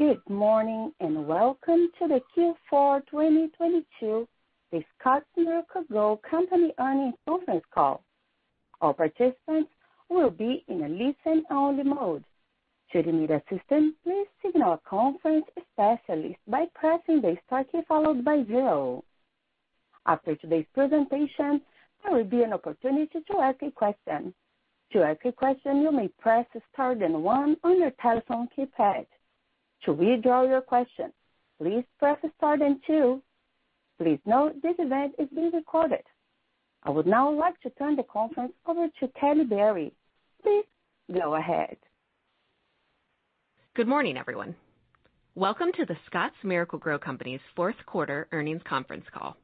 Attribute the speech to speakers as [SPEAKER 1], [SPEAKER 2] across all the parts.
[SPEAKER 1] Good morning, and welcome to the Q4 2022 The Scotts Miracle-Gro Company Earnings Conference Call. All participants will be in a listen-only mode. Should you need assistance, please signal a conference specialist by pressing the star key followed by zero. After today's presentation, there will be an opportunity to ask a question. To ask a question, you may press star then one on your telephone keypad. To withdraw your question, please press star then two. Please note this event is being recorded. I would now like to turn the conference over to Kelly Berry. Please go ahead.
[SPEAKER 2] Good morning, everyone. Welcome to The Scotts Miracle-Gro Company's fourth quarter earnings conference call.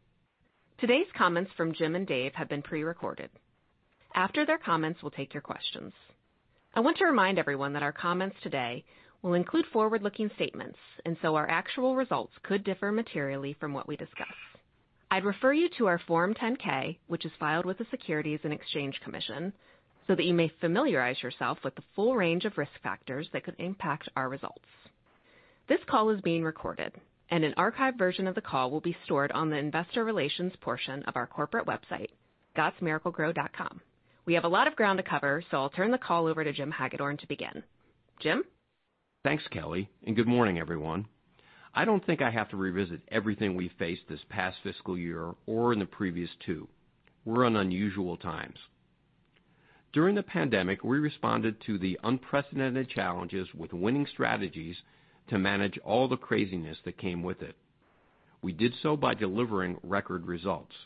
[SPEAKER 2] Today's comments from Jim and Dave have been pre-recorded. After their comments, we'll take your questions. I want to remind everyone that our comments today will include forward-looking statements, and so our actual results could differ materially from what we discuss. I'd refer you to our Form 10-K, which is filed with the Securities and Exchange Commission, so that you may familiarize yourself with the full range of risk factors that could impact our results. This call is being recorded, and an archived version of the call will be stored on the investor relations portion of our corporate website, scottsmiraclegro.com. We have a lot of ground to cover, so I'll turn the call over to Jim Hagedorn to begin. Jim?
[SPEAKER 3] Thanks, Kelly, and good morning, everyone. I don't think I have to revisit everything we faced this past fiscal year or in the previous two. We're in unusual times. During the pandemic, we responded to the unprecedented challenges with winning strategies to manage all the craziness that came with it. We did so by delivering record results.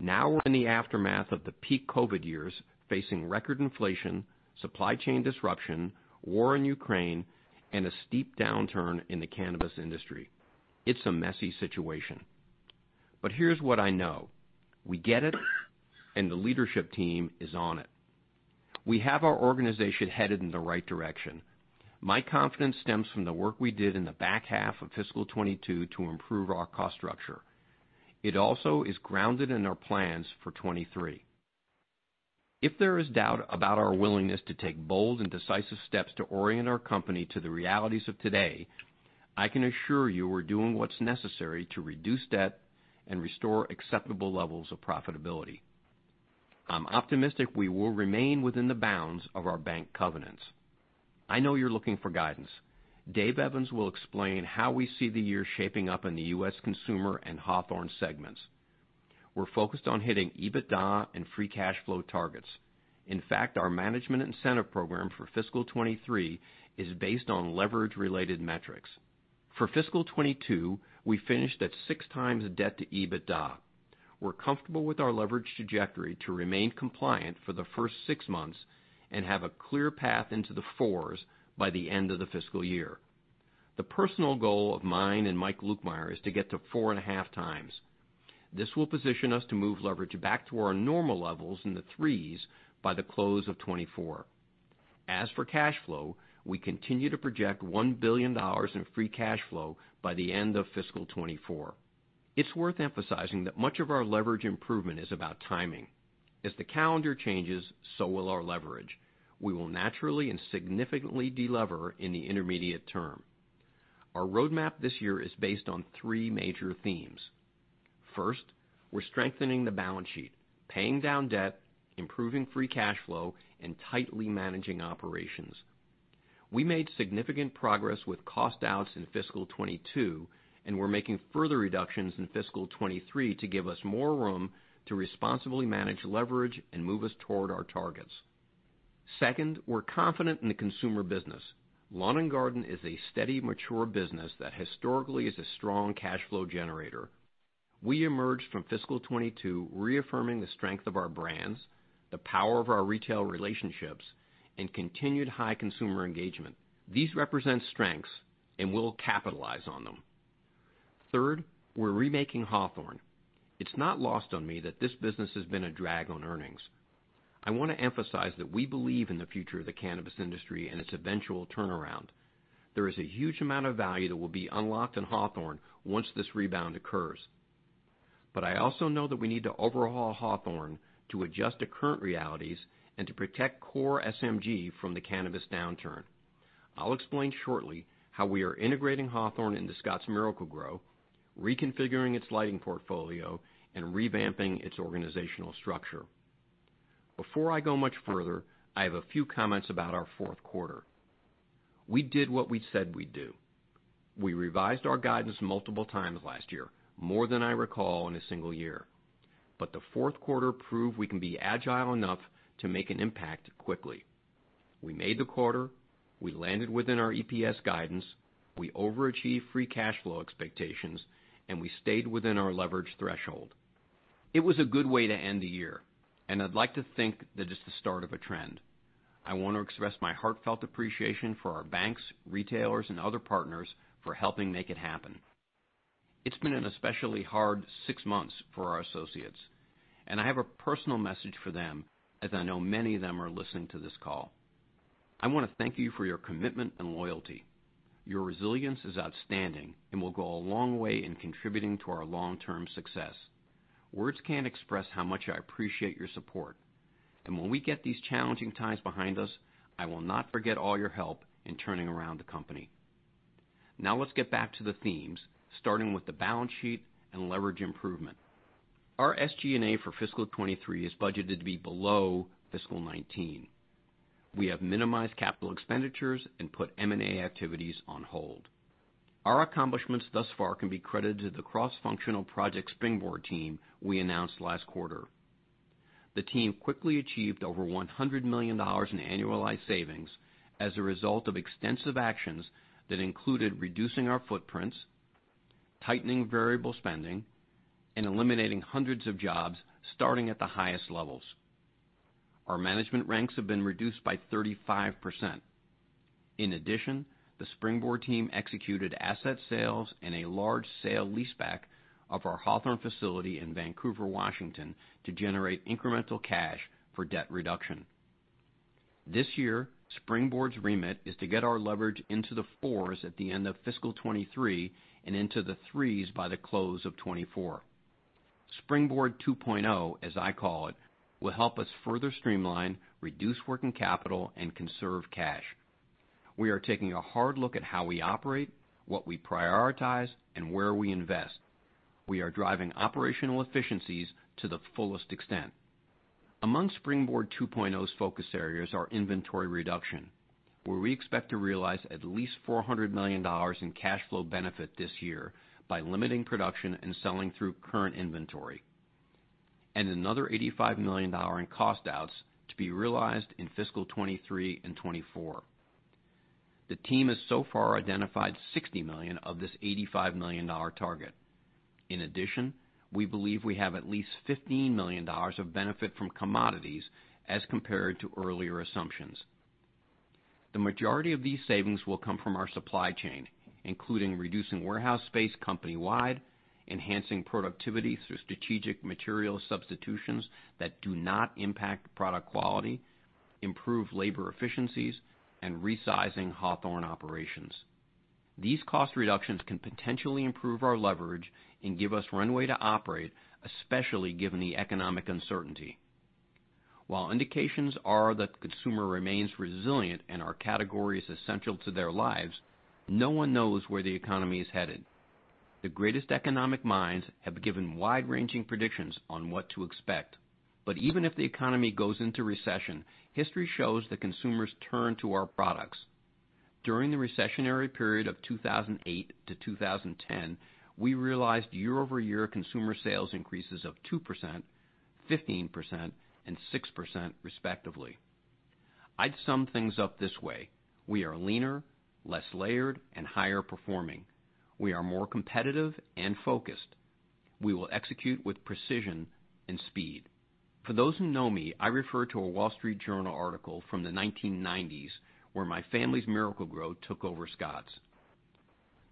[SPEAKER 3] Now we're in the aftermath of the peak COVID years, facing record inflation, supply chain disruption, war in Ukraine, and a steep downturn in the cannabis industry. It's a messy situation. Here's what I know. We get it, and the leadership team is on it. We have our organization headed in the right direction. My confidence stems from the work we did in the back half of fiscal 2022 to improve our cost structure. It also is grounded in our plans for 2023. If there is doubt about our willingness to take bold and decisive steps to orient our company to the realities of today, I can assure you we're doing what's necessary to reduce debt and restore acceptable levels of profitability. I'm optimistic we will remain within the bounds of our bank covenants. I know you're looking for guidance. Dave Evans will explain how we see the year shaping up in the U.S. consumer and Hawthorne segments. We're focused on hitting EBITDA and free cash flow targets. In fact, our management incentive program for fiscal 2023 is based on leverage-related metrics. For fiscal 2022, we finished at 6x debt to EBITDA. We're comfortable with our leverage trajectory to remain compliant for the first six months and have a clear path into the fours by the end of the fiscal year. The personal goal of mine and Mike Lukemire is to get to 4.5x. This will position us to move leverage back to our normal levels in the threes by the close of 2024. As for cash flow, we continue to project $1 billion in free cash flow by the end of fiscal 2024. It's worth emphasizing that much of our leverage improvement is about timing. As the calendar changes, so will our leverage. We will naturally and significantly de-lever in the intermediate term. Our roadmap this year is based on three major themes. First, we're strengthening the balance sheet, paying down debt, improving free cash flow, and tightly managing operations. We made significant progress with cost outs in fiscal 2022, and we're making further reductions in fiscal 2023 to give us more room to responsibly manage leverage and move us toward our targets. Second, we're confident in the consumer business. Lawn & Garden is a steady, mature business that historically is a strong cash flow generator. We emerged from fiscal 2022 reaffirming the strength of our brands, the power of our retail relationships, and continued high consumer engagement. These represent strengths, and we'll capitalize on them. Third, we're remaking Hawthorne. It's not lost on me that this business has been a drag on earnings. I wanna emphasize that we believe in the future of the cannabis industry and its eventual turnaround. There is a huge amount of value that will be unlocked in Hawthorne once this rebound occurs. But I also know that we need to overhaul Hawthorne to adjust to current realities and to protect core SMG from the cannabis downturn. I'll explain shortly how we are integrating Hawthorne into Scotts Miracle-Gro, reconfiguring its lighting portfolio, and revamping its organizational structure. Before I go much further, I have a few comments about our fourth quarter. We did what we said we'd do. We revised our guidance multiple times last year, more than I recall in a single year. The fourth quarter proved we can be agile enough to make an impact quickly. We made the quarter, we landed within our EPS guidance, we overachieved free cash flow expectations, and we stayed within our leverage threshold. It was a good way to end the year, and I'd like to think that it's the start of a trend. I want to express my heartfelt appreciation for our banks, retailers, and other partners for helping make it happen. It's been an especially hard six months for our associates, and I have a personal message for them, as I know many of them are listening to this call. I want to thank you for your commitment and loyalty. Your resilience is outstanding and will go a long way in contributing to our long-term success. Words can't express how much I appreciate your support. When we get these challenging times behind us, I will not forget all your help in turning around the company. Now let's get back to the themes, starting with the balance sheet and leverage improvement. Our SG&A for fiscal 2023 is budgeted to be below fiscal 2019. We have minimized capital expenditures and put M&A activities on hold. Our accomplishments thus far can be credited to the cross-functional Project Springboard team we announced last quarter. The team quickly achieved over $100 million in annualized savings as a result of extensive actions that included reducing our footprints, tightening variable spending, and eliminating hundreds of jobs, starting at the highest levels. Our management ranks have been reduced by 35%. In addition, the Springboard team executed asset sales and a large sale leaseback of our Hawthorne facility in Vancouver, Washington, to generate incremental cash for debt reduction. This year, Springboard's remit is to get our leverage into the fours at the end of fiscal 2023 and into the threes by the close of 2024. Springboard 2.0, as I call it, will help us further streamline, reduce working capital, and conserve cash. We are taking a hard look at how we operate, what we prioritize, and where we invest. We are driving operational efficiencies to the fullest extent. Among Project Springboard 2.0's focus areas are inventory reduction, where we expect to realize at least $400 million in cash flow benefit this year by limiting production and selling through current inventory, and another $85 million in cost outs to be realized in fiscal 2023 and 2024. The team has so far identified $60 million of this $85 million target. In addition, we believe we have at least $15 million of benefit from commodities as compared to earlier assumptions. The majority of these savings will come from our supply chain, including reducing warehouse space company-wide, enhancing productivity through strategic material substitutions that do not impact product quality, improve labor efficiencies, and resizing Hawthorne operations. These cost reductions can potentially improve our leverage and give us runway to operate, especially given the economic uncertainty. While indications are that the consumer remains resilient and our category is essential to their lives, no one knows where the economy is headed. The greatest economic minds have given wide-ranging predictions on what to expect. Even if the economy goes into recession, history shows that consumers turn to our products. During the recessionary period of 2008-2010, we realized year-over-year consumer sales increases of 2%, 15%, and 6% respectively. I'd sum things up this way: We are leaner, less layered, and higher performing. We are more competitive and focused. We will execute with precision and speed. For those who know me, I refer to a Wall Street Journal article from the 1990s where my family's Miracle-Gro took over Scotts.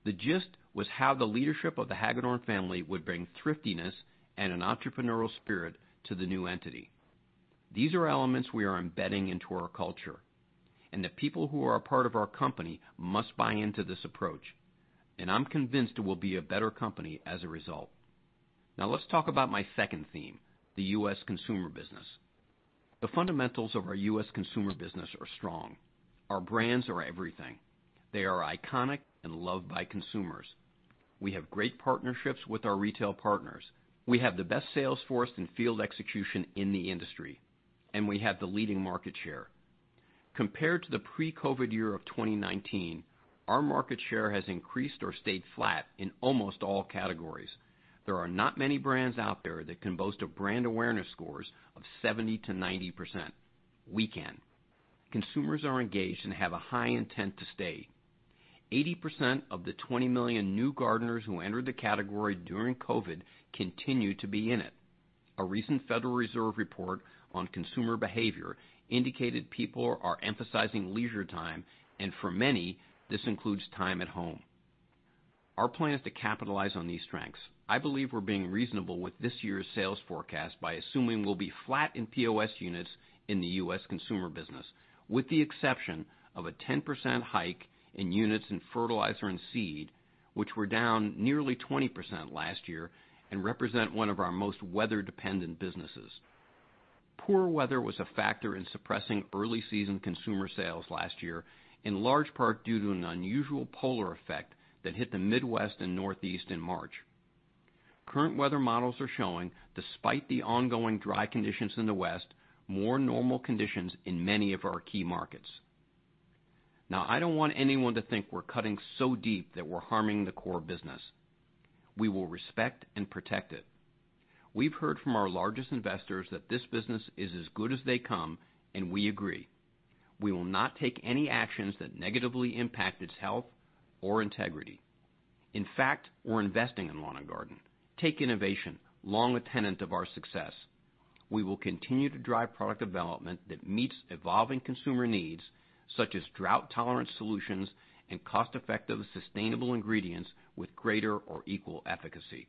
[SPEAKER 3] The gist was how the leadership of the Hagedorn family would bring thriftiness and an entrepreneurial spirit to the new entity. These are elements we are embedding into our culture, and the people who are a part of our company must buy into this approach, and I'm convinced it will be a better company as a result. Now let's talk about my second theme, the U.S. Consumer business. The fundamentals of our U.S. consumer business are strong. Our brands are everything. They are iconic and loved by consumers. We have great partnerships with our retail partners. We have the best sales force and field execution in the industry, and we have the leading market share. Compared to the pre-COVID year of 2019, our market share has increased or stayed flat in almost all categories. There are not many brands out there that can boast of brand awareness scores of 70%-90%. We can. Consumers are engaged and have a high intent to stay. 80% of the 20 million new gardeners who entered the category during COVID continue to be in it. A recent Federal Reserve report on consumer behavior indicated people are emphasizing leisure time, and for many, this includes time at home. Our plan is to capitalize on these strengths. I believe we're being reasonable with this year's sales forecast by assuming we'll be flat in POS units in the U.S. consumer business, with the exception of a 10% hike in units in fertilizer and seed, which were down nearly 20% last year and represent one of our most weather-dependent businesses. Poor weather was a factor in suppressing early season consumer sales last year, in large part due to an unusual polar effect that hit the Midwest and Northeast in March. Current weather models are showing, despite the ongoing dry conditions in the West, more normal conditions in many of our key markets. Now, I don't want anyone to think we're cutting so deep that we're harming the core business. We will respect and protect it. We've heard from our largest investors that this business is as good as they come, and we agree. We will not take any actions that negatively impact its health or integrity. In fact, we're investing in lawn and garden. Take innovation, long a tenet of our success. We will continue to drive product development that meets evolving consumer needs, such as drought-tolerant solutions and cost-effective, sustainable ingredients with greater or equal efficacy.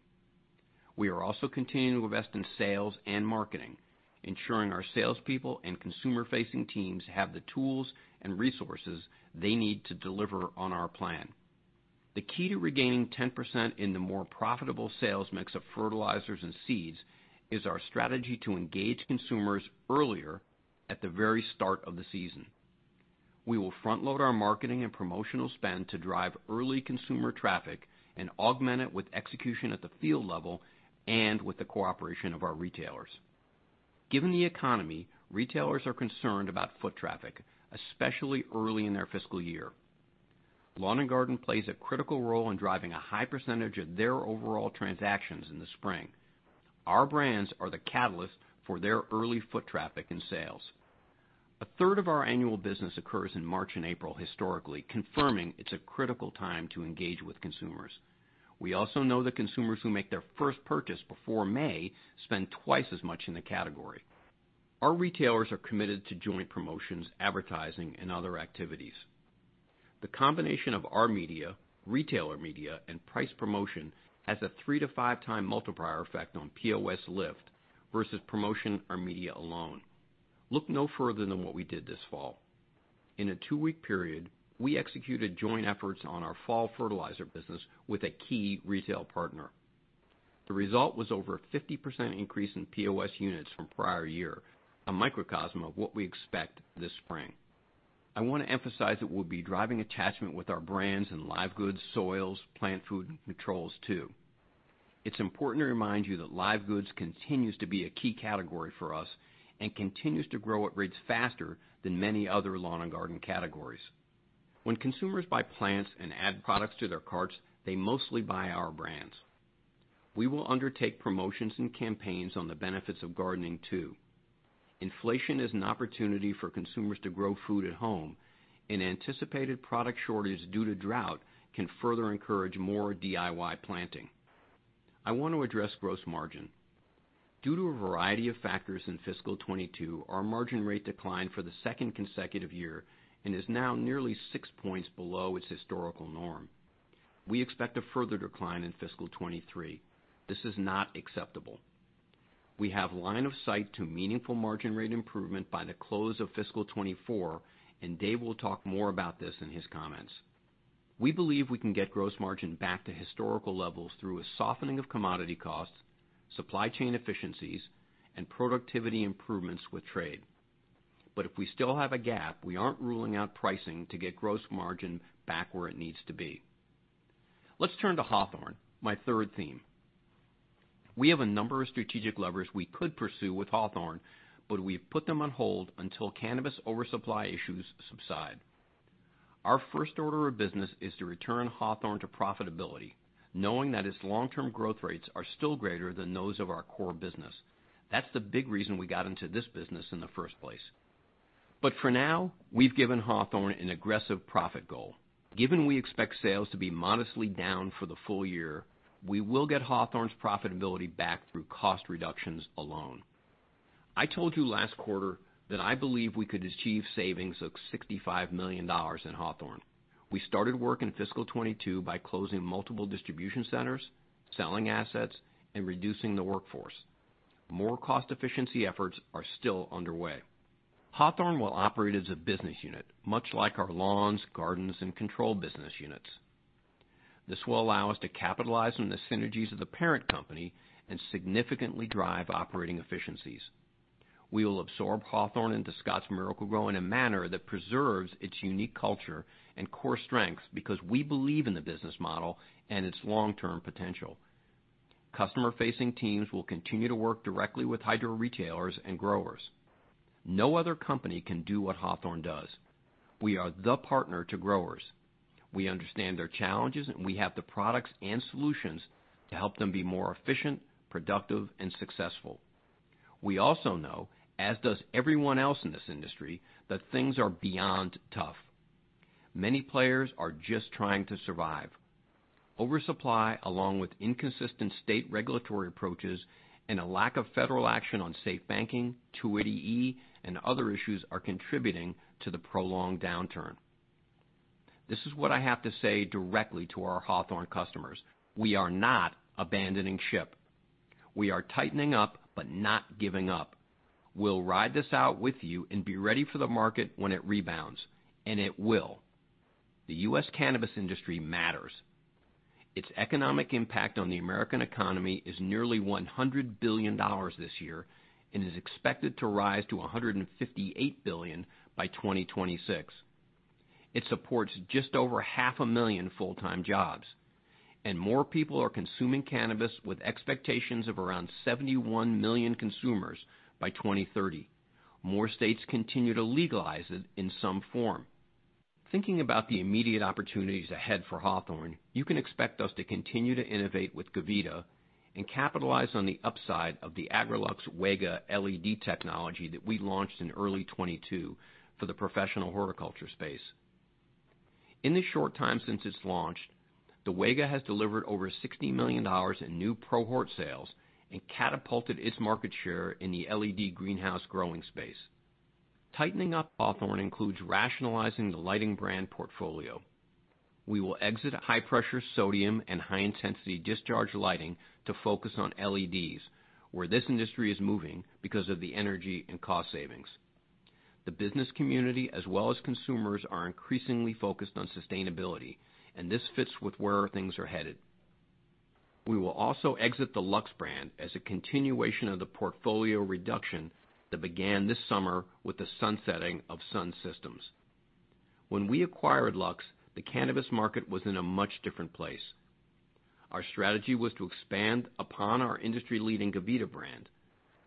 [SPEAKER 3] We are also continuing to invest in sales and marketing, ensuring our salespeople and consumer-facing teams have the tools and resources they need to deliver on our plan. The key to regaining 10% in the more profitable sales mix of fertilizers and seeds is our strategy to engage consumers earlier at the very start of the season. We will front-load our marketing and promotional spend to drive early consumer traffic and augment it with execution at the field level and with the cooperation of our retailers. Given the economy, retailers are concerned about foot traffic, especially early in their fiscal year. Lawn & Garden plays a critical role in driving a high percentage of their overall transactions in the spring. Our brands are the catalyst for their early foot traffic and sales. A third of our annual business occurs in March and April, historically, confirming it's a critical time to engage with consumers. We also know that consumers who make their first purchase before May spend twice as much in the category. Our retailers are committed to joint promotions, advertising, and other activities. The combination of our media, retailer media, and price promotion has a 3-5 times multiplier effect on POS lift versus promotion or media alone. Look no further than what we did this fall. In a two-week period, we executed joint efforts on our fall fertilizer business with a key retail partner. The result was over a 50% increase in POS units from prior year, a microcosm of what we expect this spring. I want to emphasize that we'll be driving attachment with our brands in live goods, soils, plant food, and controls too. It's important to remind you that live goods continues to be a key category for us and continues to grow at rates faster than many other Lawn & Garden categories. When consumers buy plants and add products to their carts, they mostly buy our brands. We will undertake promotions and campaigns on the benefits of gardening too. Inflation is an opportunity for consumers to grow food at home, and anticipated product shortage due to drought can further encourage more DIY planting. I want to address gross margin. Due to a variety of factors in fiscal 2022, our margin rate declined for the second consecutive year and is now nearly six points below its historical norm. We expect a further decline in fiscal 2023. This is not acceptable. We have line of sight to meaningful margin rate improvement by the close of fiscal 2024, and Dave will talk more about this in his comments. We believe we can get gross margin back to historical levels through a softening of commodity costs, supply chain efficiencies, and productivity improvements with trade. If we still have a gap, we aren't ruling out pricing to get gross margin back where it needs to be. Let's turn to Hawthorne, my third theme. We have a number of strategic levers we could pursue with Hawthorne, but we've put them on hold until cannabis oversupply issues subside. Our first order of business is to return Hawthorne to profitability, knowing that its long-term growth rates are still greater than those of our core business. That's the big reason we got into this business in the first place. For now, we've given Hawthorne an aggressive profit goal. Given we expect sales to be modestly down for the full year, we will get Hawthorne's profitability back through cost reductions alone. I told you last quarter that I believe we could achieve savings of $65 million in Hawthorne. We started work in fiscal 2022 by closing multiple distribution centers, selling assets, and reducing the workforce. More cost efficiency efforts are still underway. Hawthorne will operate as a business unit, much like our Lawn, Garden, and Control business units. This will allow us to capitalize on the synergies of the parent company and significantly drive operating efficiencies. We will absorb Hawthorne into Scotts Miracle-Gro in a manner that preserves its unique culture and core strengths because we believe in the business model and its long-term potential. Customer-facing teams will continue to work directly with hydro retailers and growers. No other company can do what Hawthorne does. We are the partner to growers. We understand their challenges, and we have the products and solutions to help them be more efficient, productive, and successful. We also know, as does everyone else in this industry, that things are beyond tough. Many players are just trying to survive. Oversupply, along with inconsistent state regulatory approaches and a lack of federal action on safe banking, 280E, and other issues are contributing to the prolonged downturn. This is what I have to say directly to our Hawthorne customers. We are not abandoning ship. We are tightening up, but not giving up. We'll ride this out with you and be ready for the market when it rebounds, and it will. The U.S. cannabis industry matters. Its economic impact on the American economy is nearly $100 billion this year and is expected to rise to $158 billion by 2026. It supports just over 500,000 full-time jobs, and more people are consuming cannabis, with expectations of around 71 million consumers by 2030. More states continue to legalize it in some form. Thinking about the immediate opportunities ahead for Hawthorne, you can expect us to continue to innovate with Gavita and capitalize on the upside of the Agrolux Wega LED technology that we launched in early 2022 for the professional horticulture space. In the short time since its launch, the Wega has delivered over $60 million in new pro hort sales and catapulted its market share in the LED greenhouse growing space. Tightening up Hawthorne includes rationalizing the lighting brand portfolio. We will exit high-pressure sodium and high-intensity discharge lighting to focus on LEDs, where this industry is moving because of the energy and cost savings. The business community as well as consumers are increasingly focused on sustainability, and this fits with where things are headed. We will also exit the Luxx brand as a continuation of the portfolio reduction that began this summer with the sunsetting of Sun System. When we acquired Luxx, the cannabis market was in a much different place. Our strategy was to expand upon our industry-leading Gavita brand.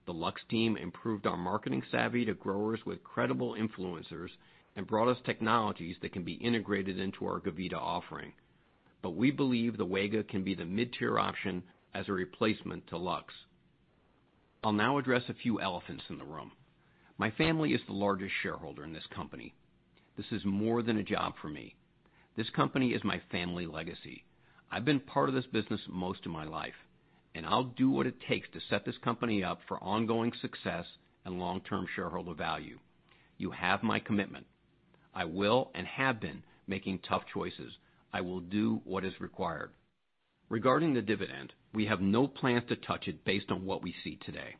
[SPEAKER 3] The Luxx team improved our marketing savvy to growers with credible influencers and brought us technologies that can be integrated into our Gavita offering. We believe the Wega can be the mid-tier option as a replacement to Luxx. I'll now address a few elephants in the room. My family is the largest shareholder in this company. This is more than a job for me. This company is my family legacy. I've been part of this business most of my life, and I'll do what it takes to set this company up for ongoing success and long-term shareholder value. You have my commitment. I will, and have been making tough choices. I will do what is required. Regarding the dividend, we have no plan to touch it based on what we see today.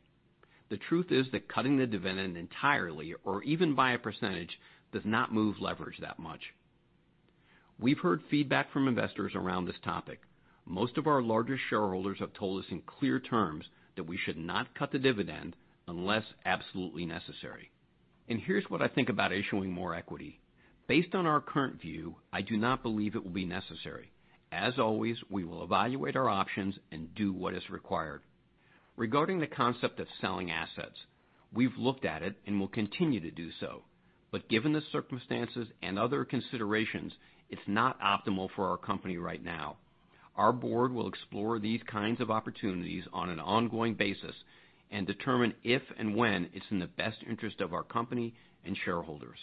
[SPEAKER 3] The truth is that cutting the dividend entirely or even by a percentage does not move leverage that much. We've heard feedback from investors around this topic. Most of our largest shareholders have told us in clear terms that we should not cut the dividend unless absolutely necessary. Here's what I think about issuing more equity. Based on our current view, I do not believe it will be necessary. As always, we will evaluate our options and do what is required. Regarding the concept of selling assets, we've looked at it and will continue to do so. Given the circumstances and other considerations, it's not optimal for our company right now. Our board will explore these kinds of opportunities on an ongoing basis and determine if and when it's in the best interest of our company and shareholders.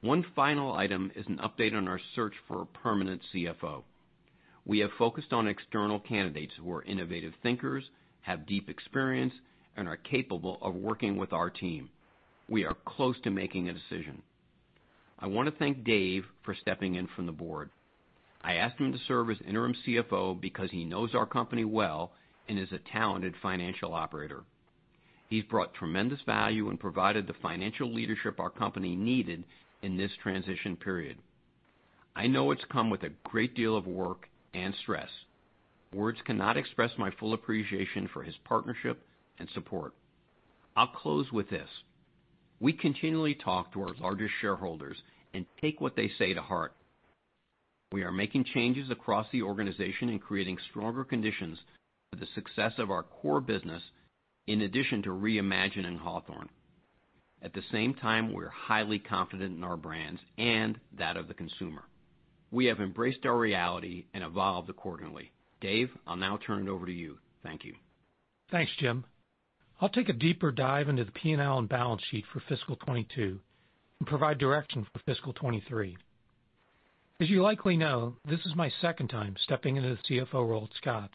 [SPEAKER 3] One final item is an update on our search for a permanent CFO. We have focused on external candidates who are innovative thinkers, have deep experience, and are capable of working with our team. We are close to making a decision. I want to thank Dave for stepping in from the board. I asked him to serve as interim CFO because he knows our company well and is a talented financial operator. He's brought tremendous value and provided the financial leadership our company needed in this transition period. I know it's come with a great deal of work and stress. Words cannot express my full appreciation for his partnership and support. I'll close with this. We continually talk to our largest shareholders and take what they say to heart. We are making changes across the organization and creating stronger conditions for the success of our core business in addition to reimagining Hawthorne. At the same time, we're highly confident in our brands and that of the consumer. We have embraced our reality and evolved accordingly. Dave, I'll now turn it over to you. Thank you.
[SPEAKER 4] Thanks, Jim. I'll take a deeper dive into the P&L and balance sheet for fiscal 2022 and provide direction for fiscal 2023. As you likely know, this is my second time stepping into the CFO role at Scotts.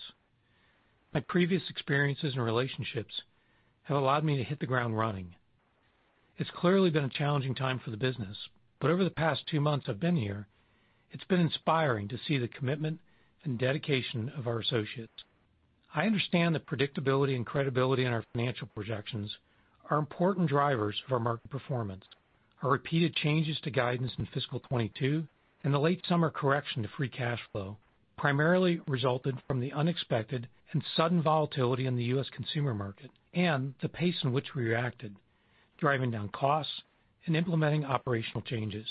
[SPEAKER 4] My previous experiences and relationships have allowed me to hit the ground running. It's clearly been a challenging time for the business, but over the past two months I've been here, it's been inspiring to see the commitment and dedication of our associates. I understand that predictability and credibility in our financial projections are important drivers of our market performance. Our repeated changes to guidance in fiscal 2022 and the late summer correction to free cash flow primarily resulted from the unexpected and sudden volatility in the U.S. consumer market and the pace in which we reacted, driving down costs and implementing operational changes.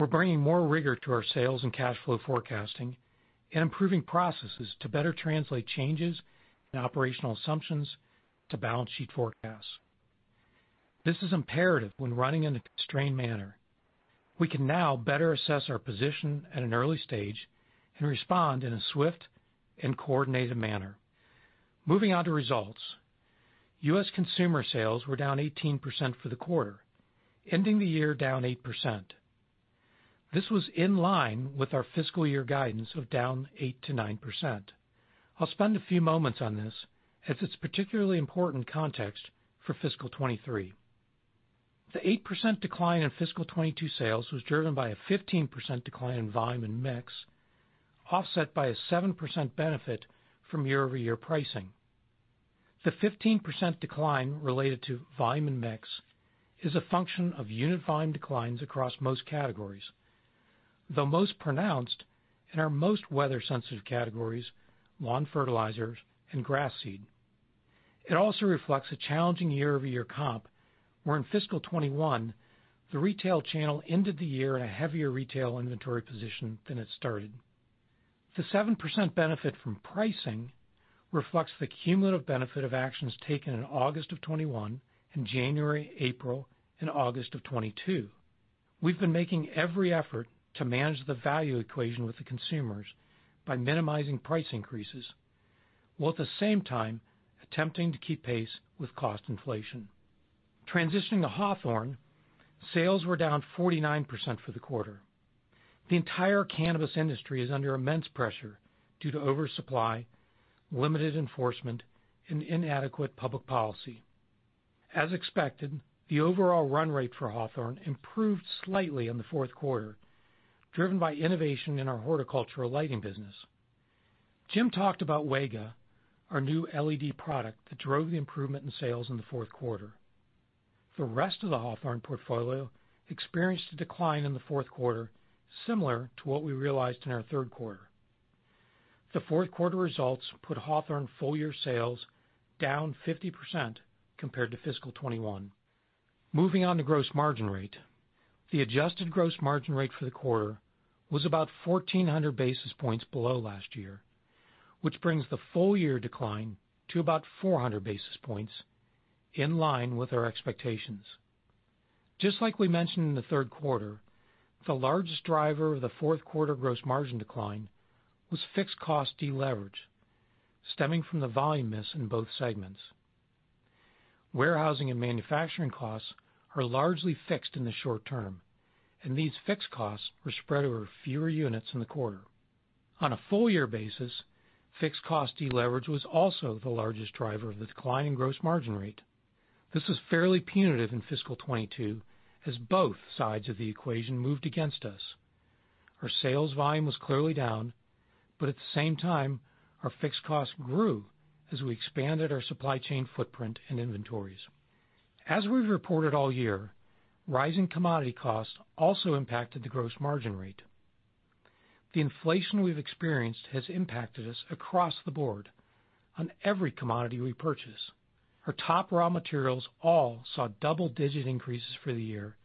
[SPEAKER 4] We're bringing more rigor to our sales and cash flow forecasting and improving processes to better translate changes in operational assumptions to balance sheet forecasts. This is imperative when running in a constrained manner. We can now better assess our position at an early stage and respond in a swift and coordinated manner. Moving on to results. U.S. consumer sales were down 18% for the quarter, ending the year down 8%. This was in line with our fiscal year guidance of down 8%-9%. I'll spend a few moments on this as it's particularly important context for fiscal 2023. The 8% decline in fiscal 2022 sales was driven by a 15% decline in volume and mix, offset by a 7% benefit from year-over-year pricing. The 15% decline related to volume and mix is a function of unit volume declines across most categories. The most pronounced in our most weather-sensitive categories, lawn fertilizers, and grass seed. It also reflects a challenging year-over-year comp, where in fiscal 2021, the retail channel ended the year in a heavier retail inventory position than it started. The 7% benefit from pricing reflects the cumulative benefit of actions taken in August 2021 and January, April, and August 2022. We've been making every effort to manage the value equation with the consumers by minimizing price increases, while at the same time attempting to keep pace with cost inflation. Transitioning to Hawthorne, sales were down 49% for the quarter. The entire cannabis industry is under immense pressure due to oversupply, limited enforcement, and inadequate public policy. As expected, the overall run rate for Hawthorne improved slightly in the fourth quarter, driven by innovation in our horticultural lighting business. Jim talked about Wega, our new LED product that drove the improvement in sales in the fourth quarter. The rest of the Hawthorne portfolio experienced a decline in the fourth quarter, similar to what we realized in our third quarter. The fourth quarter results put Hawthorne full year sales down 50% compared to fiscal 2021. Moving on to gross margin rate. The adjusted gross margin rate for the quarter was about 1,400 basis points below last year, which brings the full year decline to about 400 basis points in line with our expectations. Just like we mentioned in the third quarter, the largest driver of the fourth quarter gross margin decline was fixed cost deleverage, stemming from the volume miss in both segments. Warehousing and manufacturing costs are largely fixed in the short term, and these fixed costs were spread over fewer units in the quarter. On a full year basis, fixed cost deleverage was also the largest driver of the decline in gross margin rate. This was fairly punitive in fiscal 2022 as both sides of the equation moved against us. Our sales volume was clearly down, but at the same time, our fixed costs grew as we expanded our supply chain footprint and inventories. As we've reported all year, rising commodity costs also impacted the gross margin rate. The inflation we've experienced has impacted us across the board on every commodity we purchase. Our top raw materials all saw double-digit increases for the year,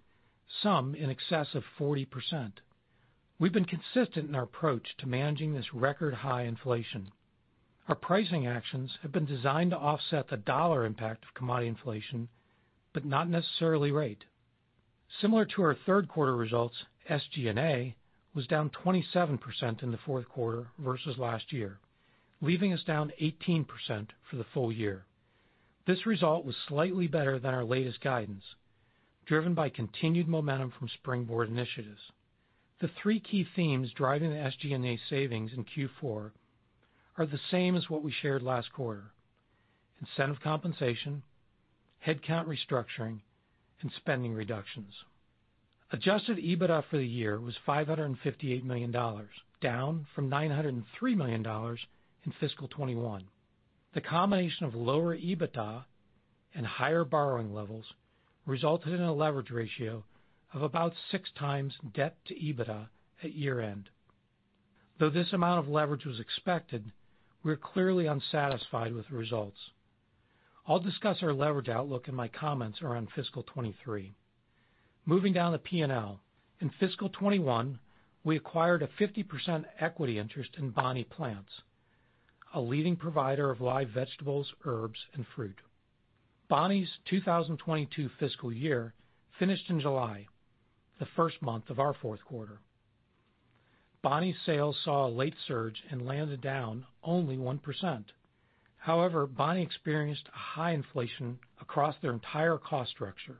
[SPEAKER 4] some in excess of 40%. We've been consistent in our approach to managing this record high inflation. Our pricing actions have been designed to offset the dollar impact of commodity inflation, but not necessarily rate. Similar to our third quarter results, SG&A was down 27% in the fourth quarter versus last year, leaving us down 18% for the full year. This result was slightly better than our latest guidance, driven by continued momentum from springboard initiatives. The three key themes driving the SG&A savings in Q4 are the same as what we shared last quarter, incentive compensation, headcount restructuring, and spending reductions. Adjusted EBITDA for the year was $558 million, down from $903 million in fiscal 2021. The combination of lower EBITDA and higher borrowing levels resulted in a leverage ratio of about 6x debt to EBITDA at year-end. Though this amount of leverage was expected, we're clearly unsatisfied with the results. I'll discuss our leverage outlook in my comments around fiscal 2023. Moving down the P&L. In fiscal 2021, we acquired a 50% equity interest in Bonnie Plants, a leading provider of live vegetables, herbs, and fruit. Bonnie's 2022 fiscal year finished in July, the first month of our fourth quarter. Bonnie sales saw a late surge and landed down only 1%. However, Bonnie experienced a high inflation across their entire cost structure,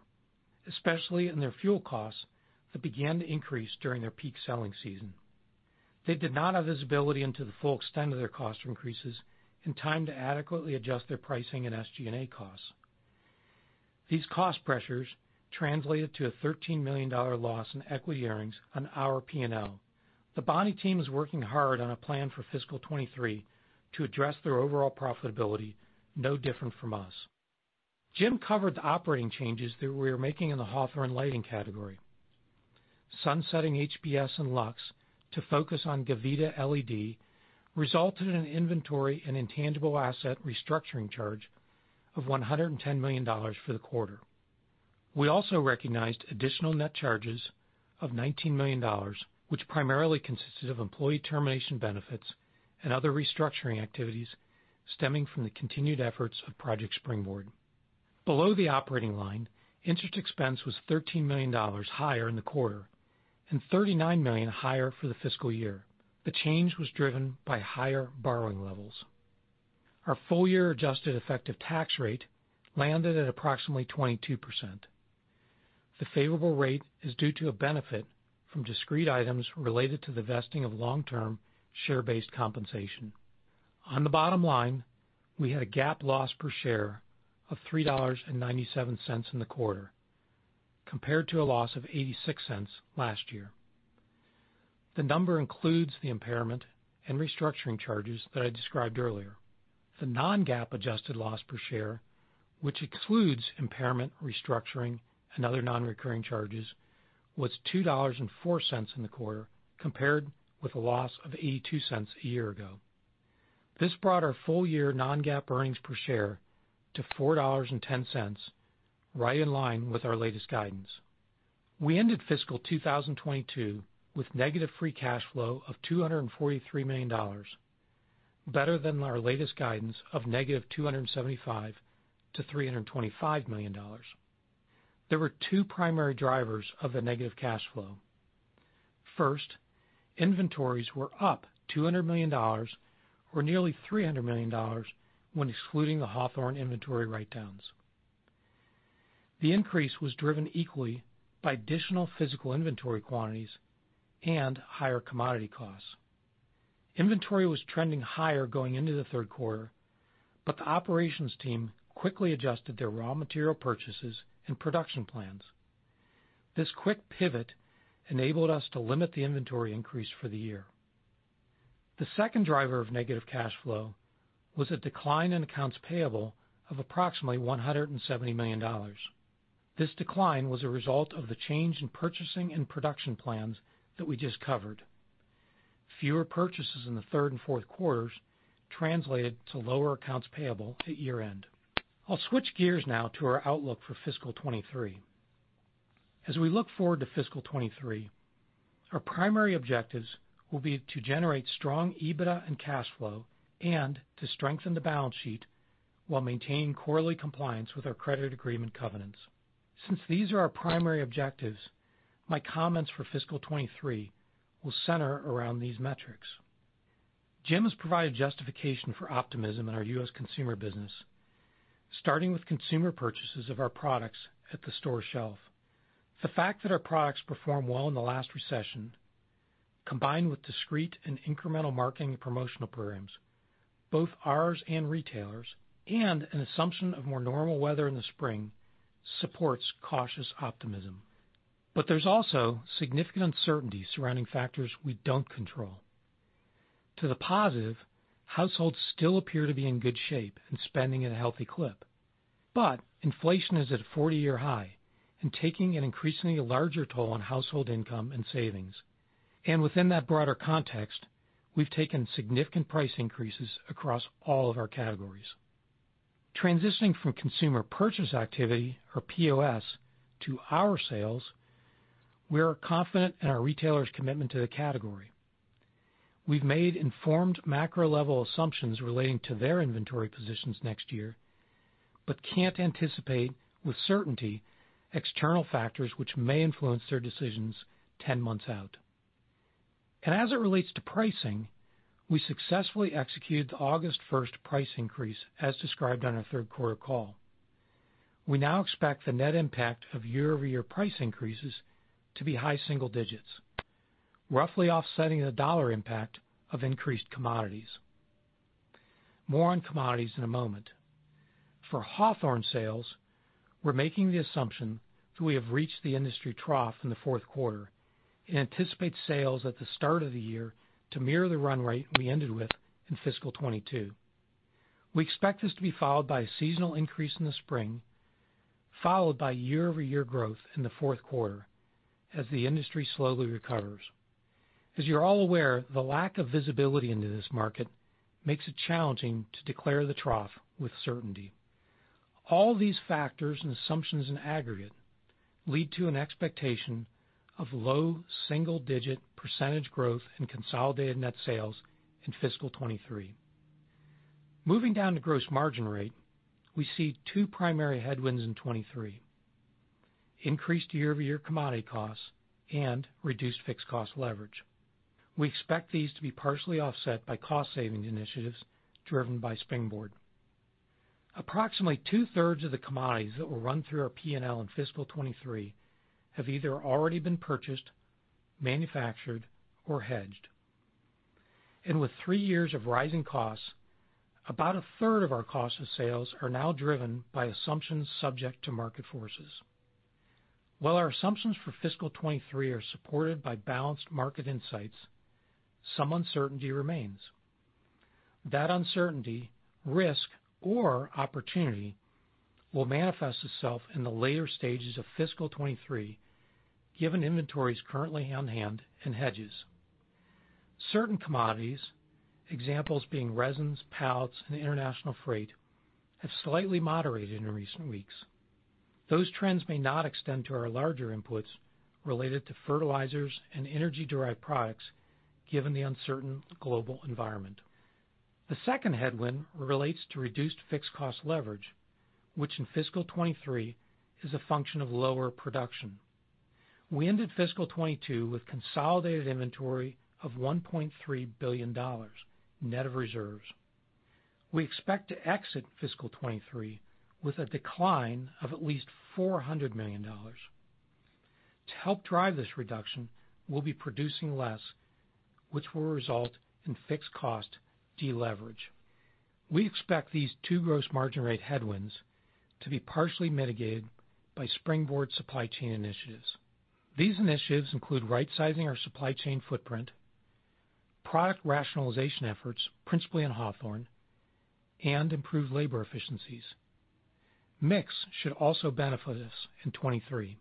[SPEAKER 4] especially in their fuel costs that began to increase during their peak selling season. They did not have visibility into the full extent of their cost increases in time to adequately adjust their pricing and SG&A costs. These cost pressures translated to a $13 million loss in equity earnings on our P&L. The Bonnie team is working hard on a plan for fiscal 2023 to address their overall profitability, no different from us. Jim covered the operating changes that we are making in the Hawthorne Lighting category. Sunsetting HPS and Luxx to focus on Gavita LED resulted in an inventory and intangible asset restructuring charge of $110 million for the quarter. We also recognized additional net charges of $19 million, which primarily consisted of employee termination benefits and other restructuring activities stemming from the continued efforts of Project Springboard. Below the operating line, interest expense was $13 million higher in the quarter and $39 million higher for the fiscal year. The change was driven by higher borrowing levels. Our full year adjusted effective tax rate landed at approximately 22%. The favorable rate is due to a benefit from discrete items related to the vesting of long-term share-based compensation. On the bottom line, we had a GAAP loss per share of $3.97 in the quarter, compared to a loss of $0.86 last year. The number includes the impairment and restructuring charges that I described earlier. The non-GAAP adjusted loss per share, which excludes impairment, restructuring, and other non-recurring charges, was $2.04 in the quarter, compared with a loss of $0.82 a year ago. This brought our full-year non-GAAP earnings per share to $4.10, right in line with our latest guidance. We ended fiscal 2022 with negative free cash flow of $243 million, better than our latest guidance of negative $275 million-$325 million. There were two primary drivers of the negative cash flow. First, inventories were up $200 million, or nearly $300 million when excluding the Hawthorne inventory writedowns. The increase was driven equally by additional physical inventory quantities and higher commodity costs. Inventory was trending higher going into the third quarter, but the operations team quickly adjusted their raw material purchases and production plans. This quick pivot enabled us to limit the inventory increase for the year. The second driver of negative cash flow was a decline in accounts payable of approximately $170 million. This decline was a result of the change in purchasing and production plans that we just covered. Fewer purchases in the third and fourth quarters translated to lower accounts payable at year-end. I'll switch gears now to our outlook for fiscal 2023. As we look forward to fiscal 2023, our primary objectives will be to generate strong EBITDA and cash flow and to strengthen the balance sheet while maintaining quarterly compliance with our credit agreement covenants. Since these are our primary objectives, my comments for fiscal 2023 will center around these metrics. Jim has provided justification for optimism in our U.S. consumer business, starting with consumer purchases of our products at the store shelf. The fact that our products performed well in the last recession, combined with discrete and incremental marketing and promotional programs, both ours and retailers, and an assumption of more normal weather in the spring, supports cautious optimism. There's also significant uncertainty surrounding factors we don't control. To the positive, households still appear to be in good shape and spending at a healthy clip. Inflation is at a 40-year high and taking an increasingly larger toll on household income and savings. Within that broader context, we've taken significant price increases across all of our categories. Transitioning from consumer purchase activity or POS to our sales, we are confident in our retailers' commitment to the category. We've made informed macro-level assumptions relating to their inventory positions next year, but can't anticipate with certainty external factors which may influence their decisions 10 months out. As it relates to pricing, we successfully executed the August 1 price increase as described on our third-quarter call. We now expect the net impact of year-over-year price increases to be high single digits, roughly offsetting the dollar impact of increased commodities. More on commodities in a moment. For Hawthorne sales, we're making the assumption that we have reached the industry trough in the fourth quarter and anticipate sales at the start of the year to mirror the run rate we ended with in fiscal 2022. We expect this to be followed by a seasonal increase in the spring, followed by year-over-year growth in the fourth quarter as the industry slowly recovers. As you're all aware, the lack of visibility into this market makes it challenging to declare the trough with certainty. All these factors and assumptions in aggregate lead to an expectation of low single-digit % growth in consolidated net sales in fiscal 2023. Moving down to gross margin rate, we see two primary headwinds in 2023: increased year-over-year commodity costs and reduced fixed cost leverage. We expect these to be partially offset by cost-saving initiatives driven by Springboard. Approximately two-thirds of the commodities that will run through our P&L in fiscal 2023 have either already been purchased, manufactured, or hedged. With three years of rising costs, about a third of our cost of sales are now driven by assumptions subject to market forces. While our assumptions for fiscal 2023 are supported by balanced market insights, some uncertainty remains. That uncertainty, risk, or opportunity will manifest itself in the later stages of fiscal 2023, given inventories currently on hand and hedges. Certain commodities, examples being resins, pallets, and international freight, have slightly moderated in recent weeks. Those trends may not extend to our larger inputs related to fertilizers and energy-derived products, given the uncertain global environment. The second headwind relates to reduced fixed cost leverage, which in fiscal 2023 is a function of lower production. We ended fiscal 2022 with consolidated inventory of $1.3 billion net of reserves. We expect to exit fiscal 2023 with a decline of at least $400 million. To help drive this reduction, we'll be producing less, which will result in fixed cost deleverage. We expect these two gross margin rate headwinds to be partially mitigated by Springboard supply chain initiatives. These initiatives include rightsizing our supply chain footprint, product rationalization efforts, principally in Hawthorne, and improved labor efficiencies. Mix should also benefit us in 2023.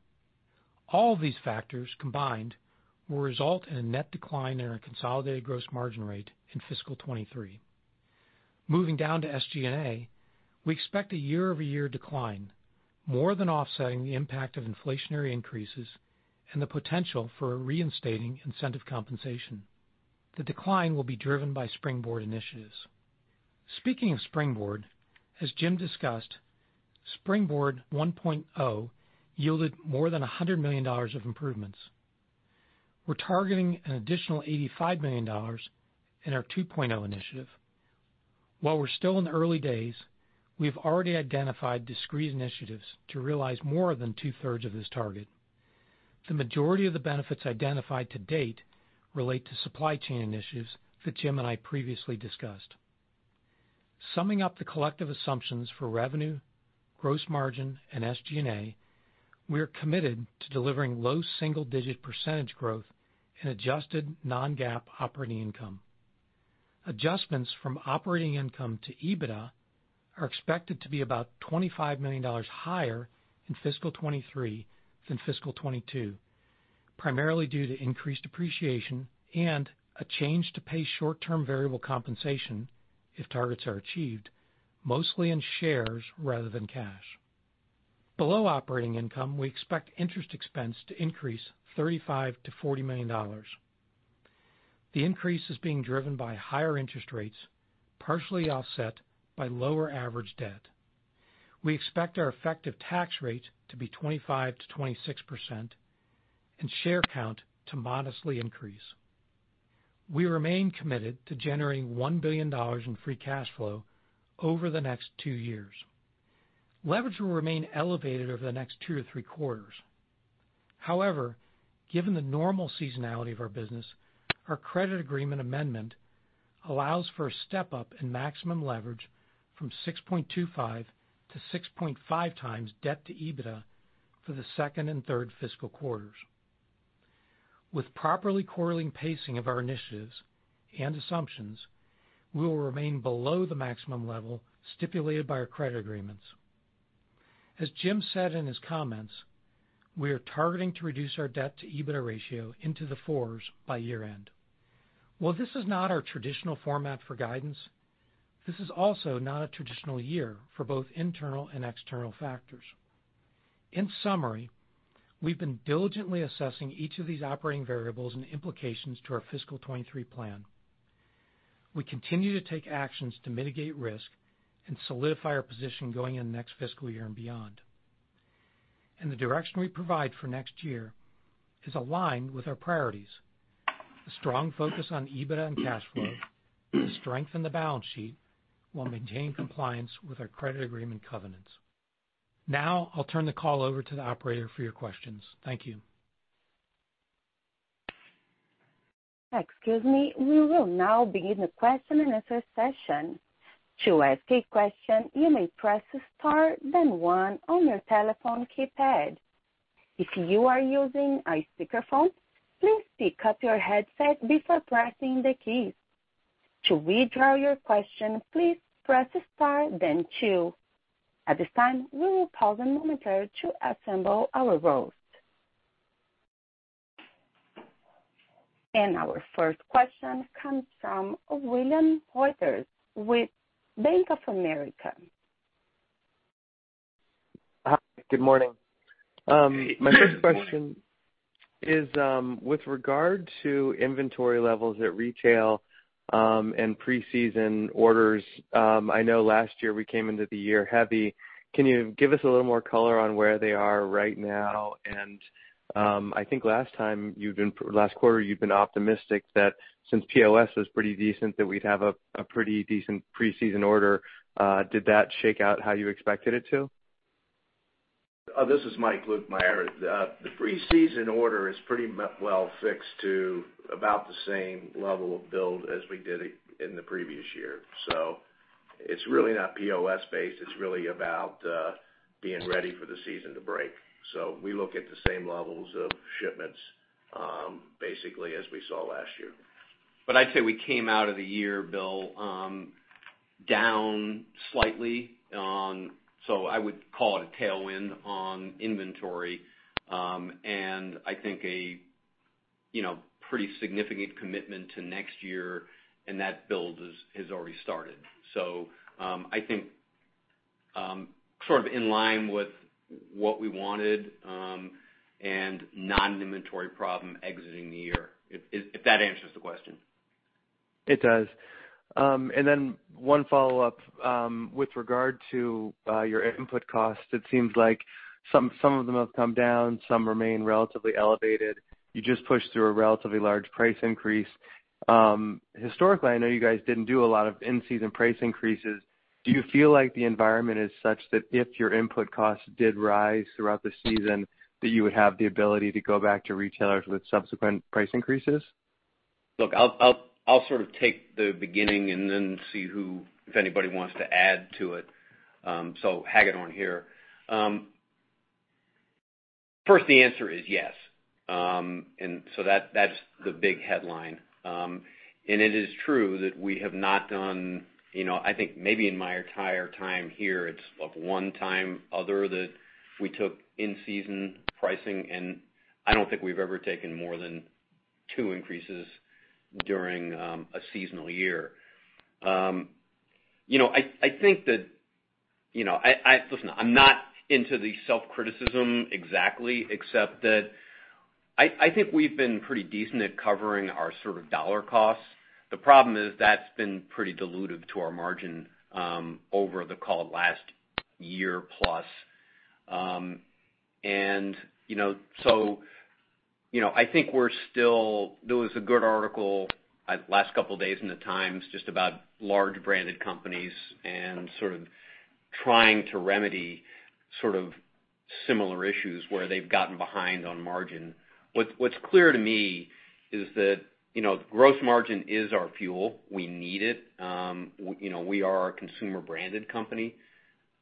[SPEAKER 4] All of these factors combined will result in a net decline in our consolidated gross margin rate in fiscal 2023. Moving down to SG&A, we expect a year-over-year decline, more than offsetting the impact of inflationary increases and the potential for reinstating incentive compensation. The decline will be driven by Springboard initiatives. Speaking of Springboard, as Jim discussed, Springboard 1.0 yielded more than $100 million of improvements. We're targeting an additional $85 million in our 2.0 initiative. While we're still in the early days, we've already identified discrete initiatives to realize more than two-thirds of this target. The majority of the benefits identified to date relate to supply chain initiatives that Jim and I previously discussed. Summing up the collective assumptions for revenue, gross margin, and SG&A, we are committed to delivering low single-digit % growth in adjusted non-GAAP operating income. Adjustments from operating income to EBITDA are expected to be about $25 million higher in fiscal 2023 than fiscal 2022, primarily due to increased depreciation and a change to pay short-term variable compensation if targets are achieved, mostly in shares rather than cash. Below operating income, we expect interest expense to increase $35 million-$40 million. The increase is being driven by higher interest rates, partially offset by lower average debt. We expect our effective tax rate to be 25%-26% and share count to modestly increase. We remain committed to generating $1 billion in free cash flow over the next two years. Leverage will remain elevated over the next two to three quarters. However, given the normal seasonality of our business, our credit agreement amendment allows for a step-up in maximum leverage from 6.25-6.5 times debt to EBITDA for the second and third fiscal quarters. With properly correlating pacing of our initiatives and assumptions, we will remain below the maximum level stipulated by our credit agreements. As Jim said in his comments, we are targeting to reduce our debt-to-EBITDA ratio into the fours by year-end. While this is not our traditional format for guidance, this is also not a traditional year for both internal and external factors. In summary, we've been diligently assessing each of these operating variables and implications to our fiscal 2023 plan. We continue to take actions to mitigate risk and solidify our position going in the next fiscal year and beyond. The direction we provide for next year is aligned with our priorities, a strong focus on EBITDA and cash flow to strengthen the balance sheet while maintaining compliance with our credit agreement covenants. Now, I'll turn the call over to the operator for your questions. Thank you.
[SPEAKER 1] Excuse me. We will now begin the question-and-answer session. To ask a question, you may press star then one on your telephone keypad. If you are using a speakerphone, please pick up your headset before pressing the keys. To withdraw your question, please press star then two. At this time, we will pause a moment to assemble our queue. Our first question comes from William Reuter with Bank of America.
[SPEAKER 5] Hi, good morning. My first question is with regard to inventory levels at retail and preseason orders. I know last year we came into the year heavy. Can you give us a little more color on where they are right now? I think last quarter, you'd been optimistic that since POS was pretty decent, that we'd have a pretty decent preseason order. Did that shake out how you expected it to?
[SPEAKER 6] This is Mike Lukemire. The preseason order is pretty well fixed to about the same level of build as we did in the previous year. It's really not POS based, it's really about being ready for the season to break. We look at the same levels of shipments, basically as we saw last year.
[SPEAKER 3] I'd say we came out of the year, Bill, down slightly on inventory, so I would call it a tailwind on inventory, and I think, you know, a pretty significant commitment to next year, and that build is already started. I think sort of in line with what we wanted, and no inventory problem exiting the year, if that answers the question.
[SPEAKER 5] It does. One follow-up with regard to your input costs. It seems like some of them have come down, some remain relatively elevated. You just pushed through a relatively large price increase. Historically, I know you guys didn't do a lot of in-season price increases. Do you feel like the environment is such that if your input costs did rise throughout the season, that you would have the ability to go back to retailers with subsequent price increases?
[SPEAKER 3] Look, I'll sort of take the beginning and then see who, if anybody wants to add to it. Hagedorn here. First, the answer is yes. That's the big headline. It is true that we have not done, you know, I think maybe in my entire time here, it's only one other time that we took in-season pricing, and I don't think we've ever taken more than two increases during a seasonal year. You know, I think that, you know, listen, I'm not into the self-criticism exactly, except that I think we've been pretty decent at covering our sort of dollar costs. The problem is that's been pretty dilutive to our margin over the, call it last year plus. You know, I think we're still. There was a good article last couple of days in the Times just about large branded companies and sort of trying to remedy sort of similar issues where they've gotten behind on margin. What's clear to me is that, you know, gross margin is our fuel. We need it. You know, we are a consumer branded company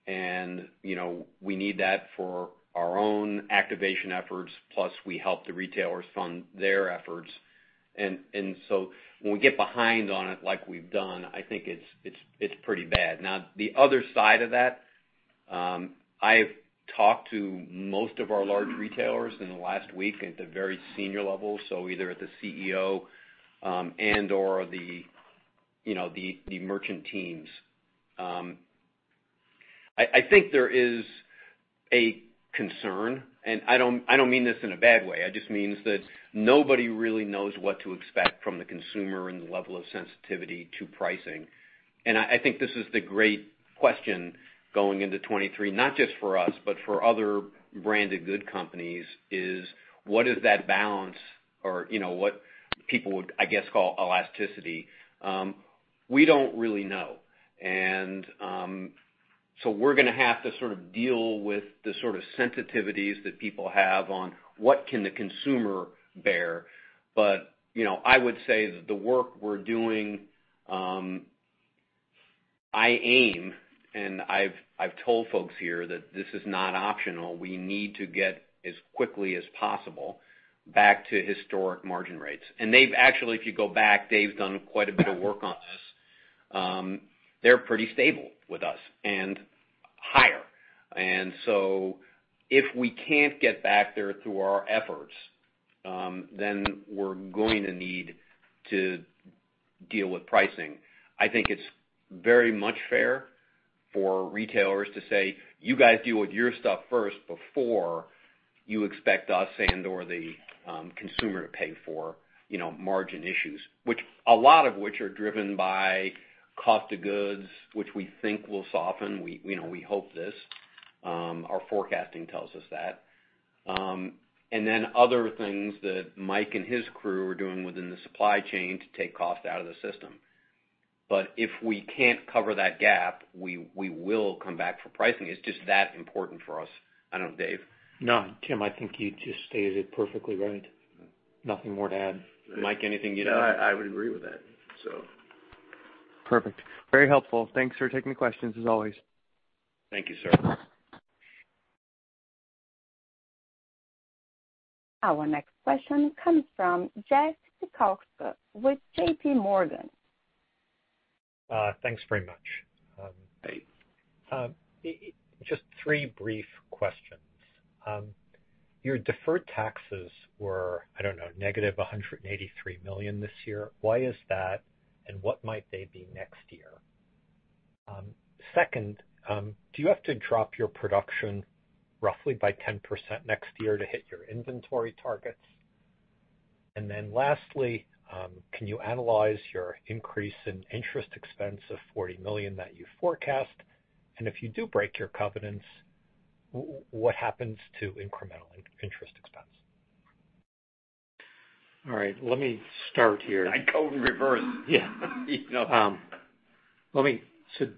[SPEAKER 3] and, you know, we need that for our own activation efforts, plus we help the retailers fund their efforts. When we get behind on it like we've done, I think it's pretty bad. Now, the other side of that, I've talked to most of our large retailers in the last week at the very senior level, so either at the CEO or, you know, the merchant teams. I think there is a concern, and I don't mean this in a bad way. I just mean that nobody really knows what to expect from the consumer and the level of sensitivity to pricing. I think this is the great question going into 2023, not just for us, but for other branded good companies, is what is that balance? Or, you know what people would, I guess, call elasticity. We don't really know. We're gonna have to sort of deal with the sort of sensitivities that people have on what can the consumer bear. You know, I would say that the work we're doing, I mean and I've told folks here that this is not optional. We need to get, as quickly as possible, back to historic margin rates. They've actually, if you go back, Dave's done quite a bit of work on this. They're pretty stable with us and higher. If we can't get back there through our efforts, then we're going to need to deal with pricing. I think it's very much fair for retailers to say, "You guys deal with your stuff first before you expect us and or the consumer to pay for, you know, margin issues," which a lot of which are driven by cost of goods, which we think will soften. We, you know, we hope this. Our forecasting tells us that. Other things that Mike and his crew are doing within the supply chain to take cost out of the system. If we can't cover that gap, we will come back for pricing. It's just that important for us. I don't know, Dave.
[SPEAKER 4] No, Jim Hagedorn, I think you just stated it perfectly right. Nothing more to add.
[SPEAKER 3] Mike, anything you'd add?
[SPEAKER 6] No, I would agree with that.
[SPEAKER 5] Perfect. Very helpful. Thanks for taking the questions as always.
[SPEAKER 3] Thank you, sir.
[SPEAKER 1] Our next question comes from Jeffrey Zekauskas with JPMorgan.
[SPEAKER 7] Thanks very much.
[SPEAKER 3] Hey.
[SPEAKER 7] Just three brief questions. Your deferred taxes were, I don't know, negative $183 million this year. Why is that, and what might they be next year? Second, do you have to drop your production roughly by 10% next year to hit your inventory targets? Lastly, can you analyze your increase in interest expense of $40 million that you forecast? If you do break your covenants, what happens to incremental interest expense?
[SPEAKER 4] All right, let me start here.
[SPEAKER 3] I'd go in reverse.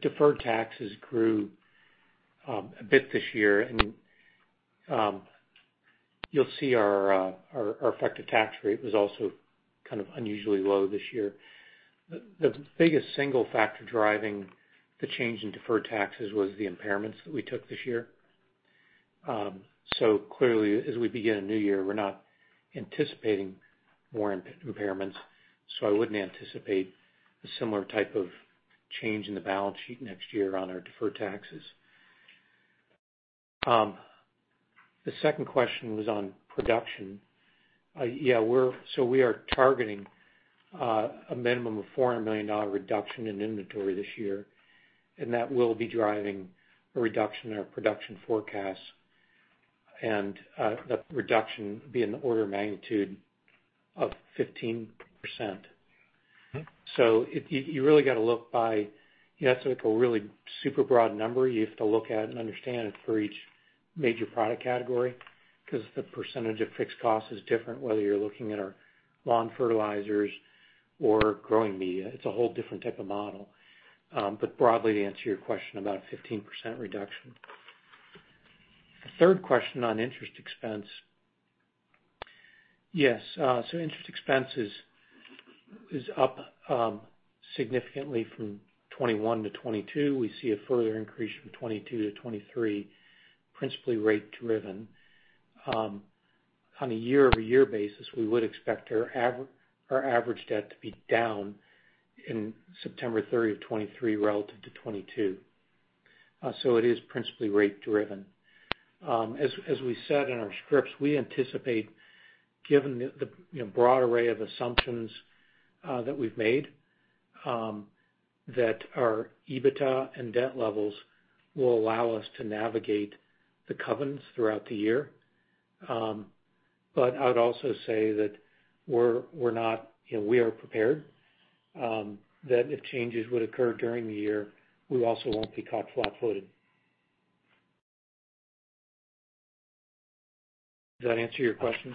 [SPEAKER 4] Deferred taxes grew a bit this year. You'll see our effective tax rate was also kind of unusually low this year. The biggest single factor driving the change in deferred taxes was the impairments that we took this year. Clearly, as we begin a new year, we're not anticipating more impairments, so I wouldn't anticipate a similar type of change in the balance sheet next year on our deferred taxes. The second question was on production. We are targeting a minimum of $400 million reduction in inventory this year, and that will be driving a reduction in our production forecast. That reduction would be in the order of magnitude of 15%. You really got to look by. That's like a really super broad number. You have to look at and understand it for each major product category because the percentage of fixed cost is different, whether you're looking at our lawn fertilizers or growing media. It's a whole different type of model. Broadly, to answer your question, about a 15% reduction. The third question on interest expense. Yes, so interest expense is up significantly from 2021-2022. We see a further increase from 2022-2023, principally rate driven. On a year-over-year basis, we would expect our average debt to be down in September 30, 2023 relative to 2022. It is principally rate driven. As we said in our scripts, we anticipate, given the, you know, broad array of assumptions, that we've made, that our EBITDA and debt levels will allow us to navigate the covenants throughout the year. I would also say that we're not, you know, we are prepared, that if changes would occur during the year, we also won't be caught flat-footed. Did that answer your questions?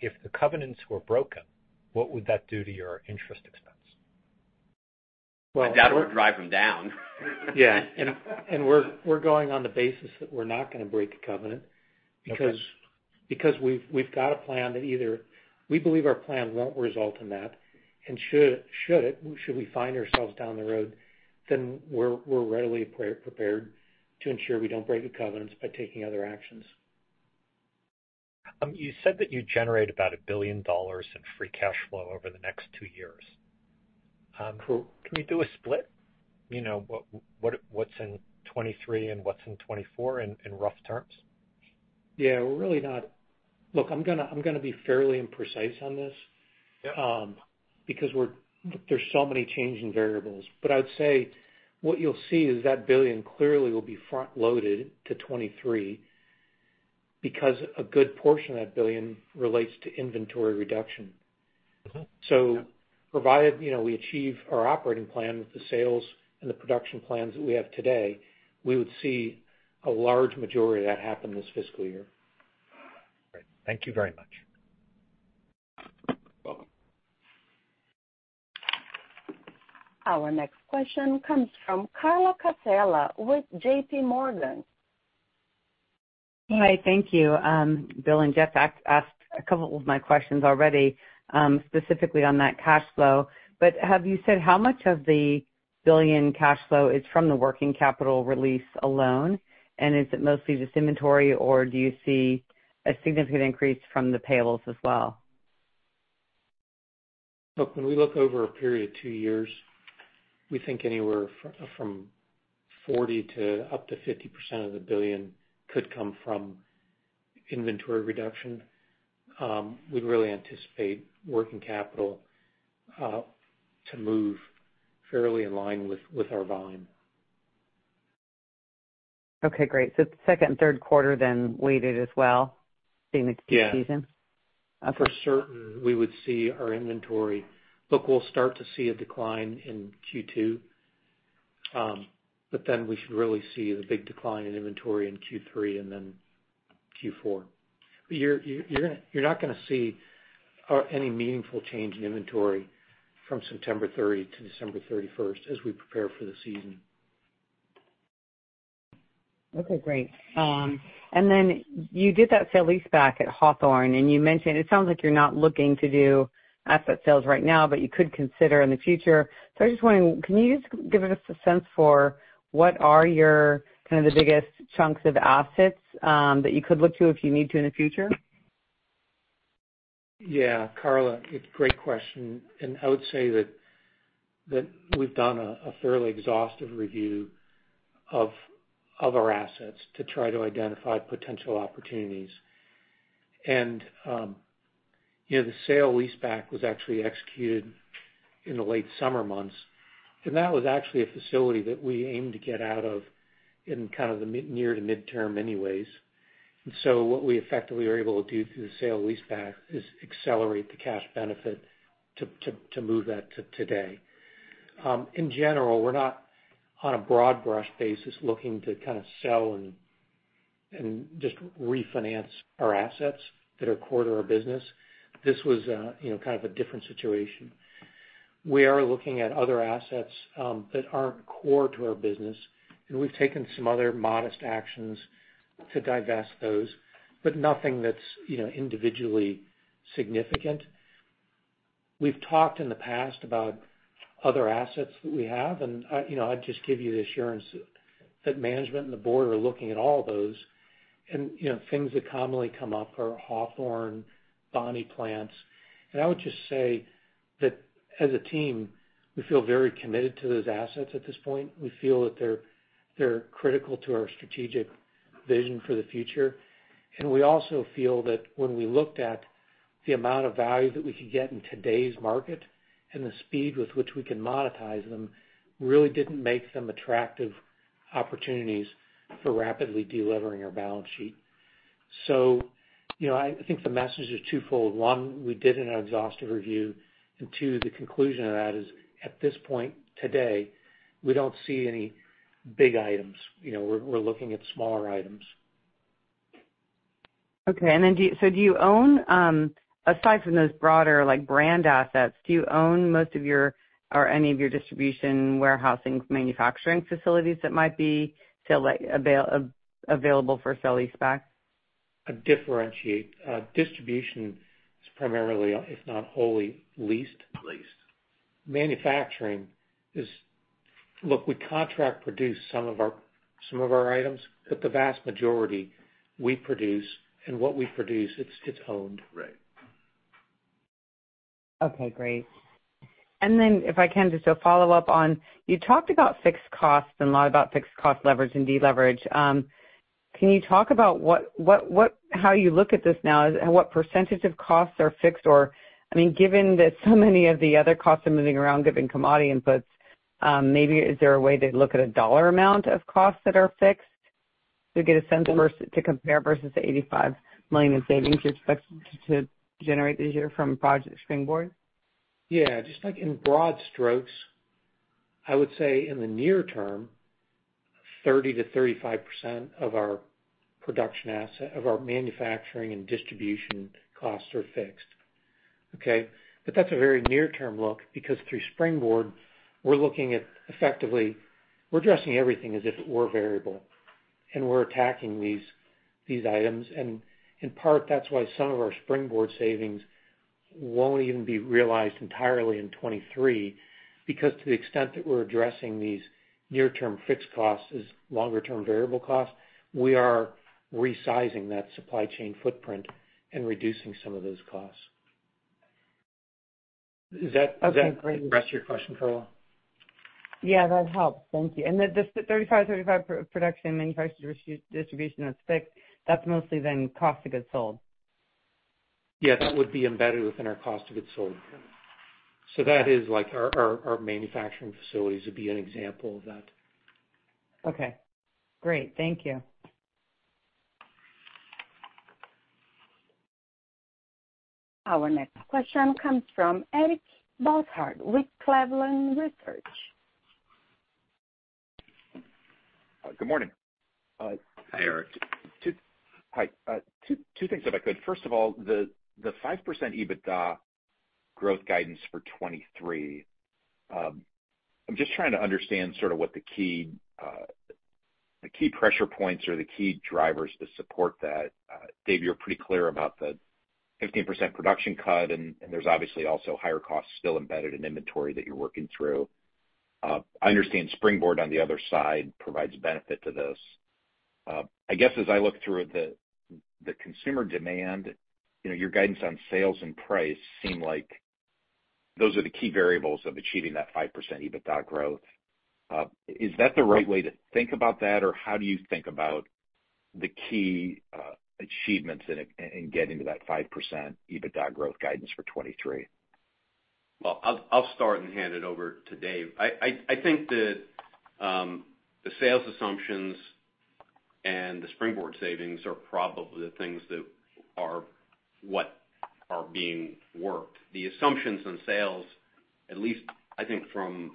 [SPEAKER 7] If the covenants were broken, what would that do to your interest expense?
[SPEAKER 3] Well, that would drive them down.
[SPEAKER 4] Yeah. We're going on the basis that we're not gonna break a covenant.
[SPEAKER 7] Okay.
[SPEAKER 4] because we've got a plan that either we believe our plan won't result in that, and should it, should we find ourselves down the road, then we're readily pre-prepared to ensure we don't break the covenants by taking other actions.
[SPEAKER 7] You said that you generate about $1 billion in free cash flow over the next two years. Can we do a split? You know, what's in 2023 and what's in 2024 in rough terms?
[SPEAKER 4] Look, I'm gonna be fairly imprecise on this.
[SPEAKER 7] Yeah.
[SPEAKER 4] There's so many changing variables. I'd say what you'll see is that $1 billion clearly will be front loaded to 2023 because a good portion of that $1 billion relates to inventory reduction.
[SPEAKER 7] Okay.
[SPEAKER 4] Provided, you know, we achieve our operating plan with the sales and the production plans that we have today, we would see a large majority of that happen this fiscal year.
[SPEAKER 7] Great. Thank you very much.
[SPEAKER 4] Welcome.
[SPEAKER 1] Our next question comes from Carla Casella with JPMorgan.
[SPEAKER 8] Hi. Thank you. Bill and Jeff asked a couple of my questions already, specifically on that cash flow. Have you said how much of the $1 billion cash flow is from the working capital release alone, and is it mostly just inventory, or do you see a significant increase from the payables as well?
[SPEAKER 4] Look, when we look over a period of two years, we think anywhere from 40% to up to 50% of the $1 billion could come from inventory reduction. We'd really anticipate working capital to move fairly in line with our volume.
[SPEAKER 8] Okay, great. It's second and third quarter then weighted as well being the key season?
[SPEAKER 4] Yeah. For certain, we would see our inventory. Look, we'll start to see a decline in Q2, but then we should really see the big decline in inventory in Q3 and then Q4. But you're not gonna see any meaningful change in inventory from September thirty to December thirty-first as we prepare for the season.
[SPEAKER 8] Okay, great. Then you did that sale leaseback at Hawthorne, and you mentioned it sounds like you're not looking to do asset sales right now, but you could consider in the future. Can you just give us a sense for what are kind of the biggest chunks of assets that you could look to if you need to in the future?
[SPEAKER 4] Yeah. Carla, it's a great question, and I would say that we've done a fairly exhaustive review of our assets to try to identify potential opportunities. You know, the sale leaseback was actually executed in the late summer months, and that was actually a facility that we aimed to get out of in kind of the near to mid-term anyways. What we effectively were able to do through the sale leaseback is accelerate the cash benefit to move that to today. In general, we're not on a broad brush basis looking to kind of sell and just refinance our assets that are core to our business. This was, you know, kind of a different situation. We are looking at other assets that aren't core to our business, and we've taken some other modest actions to divest those, but nothing that's, you know, individually significant. We've talked in the past about other assets that we have, and, you know, I'd just give you the assurance that management and the board are looking at all of those and, you know, things that commonly come up are Hawthorne, Bonnie Plants. I would just say that as a team, we feel very committed to those assets at this point. We feel that they're critical to our strategic vision for the future. We also feel that when we looked at the amount of value that we could get in today's market and the speed with which we can monetize them, really didn't make them attractive opportunities for rapidly de-levering our balance sheet. You know, I think the message is twofold. One, we did an exhaustive review. Two, the conclusion of that is, at this point today, we don't see any big items. You know, we're looking at smaller items.
[SPEAKER 8] Do you own, aside from those broader like brand assets, do you own most of your or any of your distribution, warehousing, manufacturing facilities that might be available for sale leaseback?
[SPEAKER 4] I differentiate. Distribution is primarily, if not wholly leased.
[SPEAKER 3] Leased.
[SPEAKER 4] Look, we contract produce some of our items, but the vast majority we produce and what we produce, it's owned.
[SPEAKER 3] Right.
[SPEAKER 8] Okay, great. If I can just a follow-up on, you talked about fixed costs and a lot about fixed cost leverage and deleverage. Can you talk about how you look at this now and what percentage of costs are fixed or, I mean, given that so many of the other costs are moving around given commodity inputs, maybe is there a way to look at a dollar amount of costs that are fixed to get a sense versus to compare versus the $85 million in savings you're expecting to generate this year from Project Springboard?
[SPEAKER 4] Yeah, just like in broad strokes, I would say in the near term. 30%-35% of our production asset, of our manufacturing and distribution costs are fixed. Okay? That's a very near-term look because through Springboard, we're addressing everything as if it were variable, and we're attacking these items. In part, that's why some of our Springboard savings won't even be realized entirely in 2023 because to the extent that we're addressing these near-term fixed costs as longer-term variable costs, we are resizing that supply chain footprint and reducing some of those costs. Does that-
[SPEAKER 8] Okay, great.
[SPEAKER 3] Does that address your question, Carla Casella?
[SPEAKER 8] Yeah, that helps. Thank you. The 35% production, manufacturing, distribution that's fixed, that's mostly then cost of goods sold?
[SPEAKER 4] Yeah, that would be embedded within our cost of goods sold. That is like our manufacturing facilities would be an example of that.
[SPEAKER 8] Okay, great. Thank you.
[SPEAKER 1] Our next question comes from Eric Bosshard with Cleveland Research Company.
[SPEAKER 9] Good morning.
[SPEAKER 3] Hi, Eric.
[SPEAKER 9] Hi, two things, if I could. First of all, the 5% EBITDA growth guidance for 2023, I'm just trying to understand sort of what the key pressure points or the key drivers to support that. Dave, you're pretty clear about the 15% production cut and there's obviously also higher costs still embedded in inventory that you're working through. I understand Springboard on the other side provides benefit to this. I guess as I look through the consumer demand, you know, your guidance on sales and price seem like those are the key variables of achieving that 5% EBITDA growth. Is that the right way to think about that? Or how do you think about the key achievements in getting to that 5% EBITDA growth guidance for 2023?
[SPEAKER 3] Well, I'll start and hand it over to Dave. I think that the sales assumptions and the Springboard savings are probably the things that are what are being worked. The assumptions on sales, at least I think from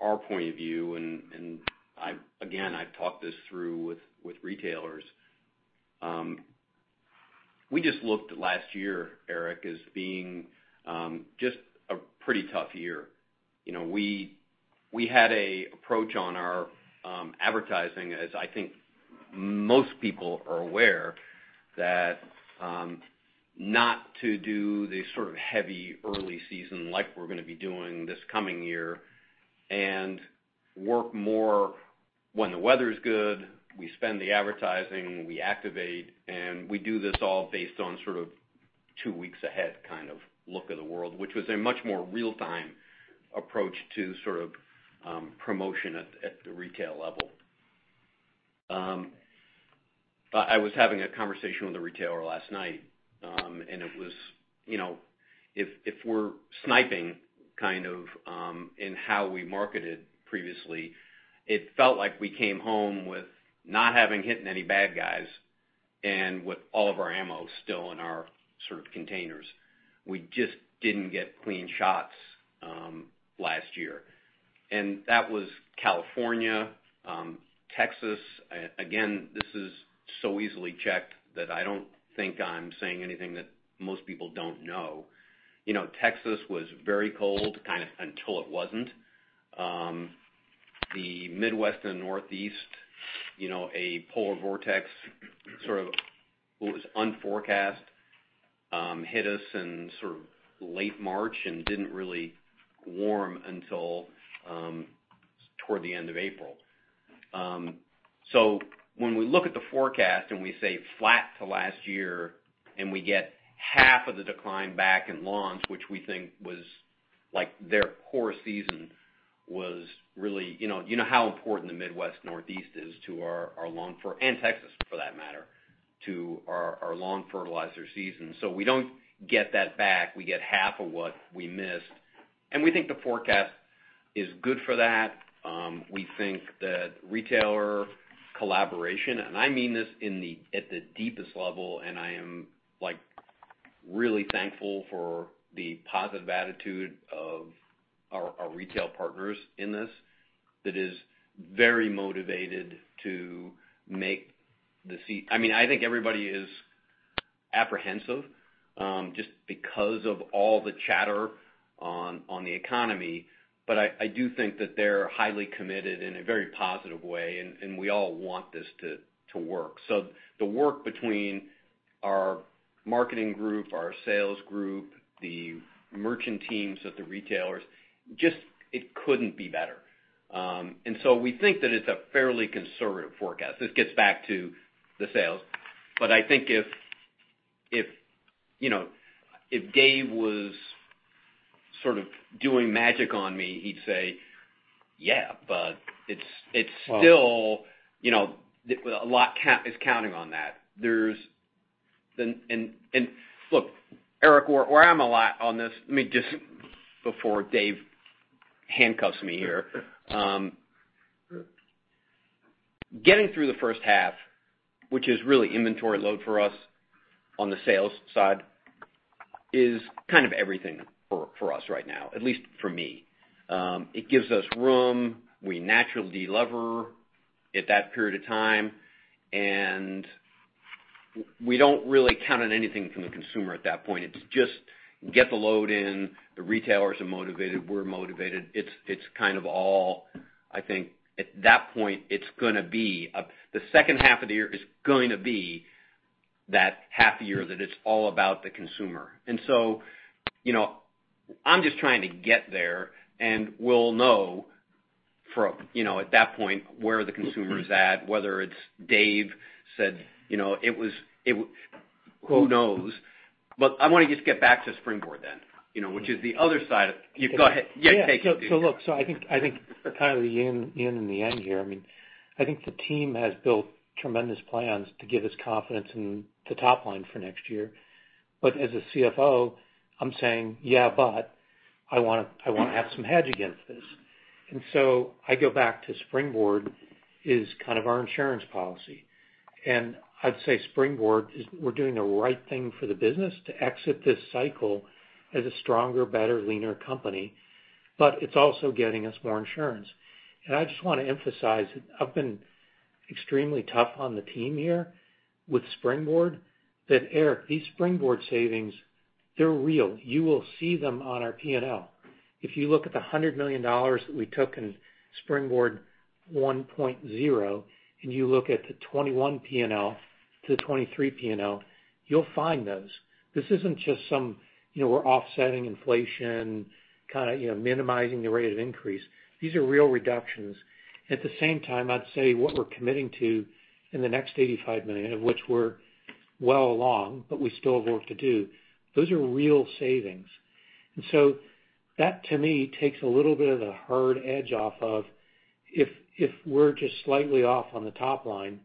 [SPEAKER 3] our point of view, and I've again talked this through with retailers. We just looked at last year, Eric, as being just a pretty tough year. You know, we had an approach on our advertising, as I think most people are aware, that not to do the sort of heavy early season like we're gonna be doing this coming year and work more when the weather's good, we spend the advertising, we activate, and we do this all based on sort of two weeks ahead kind of look of the world, which was a much more real-time approach to sort of promotion at the retail level. I was having a conversation with a retailer last night, and it was, you know, if we're sniping kind of in how we marketed previously, it felt like we came home with not having hit any bad guys and with all of our ammo still in our sort of containers. We just didn't get clean shots last year. That was California, Texas. Again, this is so easily checked that I don't think I'm saying anything that most people don't know. You know, Texas was very cold kind of until it wasn't. The Midwest and Northeast, you know, a polar vortex sort of what was unforecast hit us in sort of late March and didn't really warm until toward the end of April. When we look at the forecast and we say flat to last year, and we get half of the decline back in lawns, which we think was like their core season was really, you know. You know how important the Midwest, Northeast is to our lawn fertilizer and Texas for that matter, to our lawn fertilizer season. We don't get that back. We get half of what we missed, and we think the forecast is good for that. We think that retailer collaboration, and I mean this in the at the deepest level, and I am, like, really thankful for the positive attitude of our retail partners in this. I mean, I think everybody is apprehensive, just because of all the chatter on the economy. I do think that they're highly committed in a very positive way, and we all want this to work. The work between our marketing group, our sales group, the merchant teams at the retailers, just it couldn't be better. We think that it's a fairly conservative forecast. This gets back to the sales. I think if you know, if Dave was sort of doing magic on me, he'd say, "Yeah, but it's still-
[SPEAKER 10] Well-
[SPEAKER 3] You know, a lot is counting on that. Look, Eric, where I'm at on this, let me just before Dave handcuffs me here. Getting through the first half, which is really inventory load for us on the sales side is kind of everything for us right now, at least for me. It gives us room. We naturally de-lever at that period of time, and we don't really count on anything from the consumer at that point. It's just get the load in, the retailers are motivated, we're motivated. It's kind of all, I think, at that point, the second half of the year is going to be that half year that it's all about the consumer. You know, I'm just trying to get there, and we'll know for, you know, at that point, where the consumer's at, whether it's Dave said, you know, it was who knows? I wanna just get back to Springboard then, you know, which is the other side of. Go ahead. Yeah, take it, Dave.
[SPEAKER 4] Yeah. Look, I think kind of the yin and the yang here. I mean, I think the team has built tremendous plans to give us confidence in the top line for next year. As a CFO, I'm saying, yeah, but I wanna have some hedge against this. I go back to Springboard is kind of our insurance policy. I'd say Springboard is we're doing the right thing for the business to exit this cycle as a stronger, better, leaner company, but it's also getting us more insurance. I just wanna emphasize, I've been extremely tough on the team here with Springboard that, Eric, these Springboard savings, they're real. You will see them on our P&L. If you look at the $100 million that we took in Springboard 1.0, and you look at the 2021 P&L to the 2023 P&L, you'll find those. This isn't just some, you know, we're offsetting inflation, kinda, you know, minimizing the rate of increase. These are real reductions. At the same time, I'd say what we're committing to in the next $85 million, of which we're well along, but we still have work to do, those are real savings. That, to me, takes a little bit of the hard edge off if we're just slightly off on the top line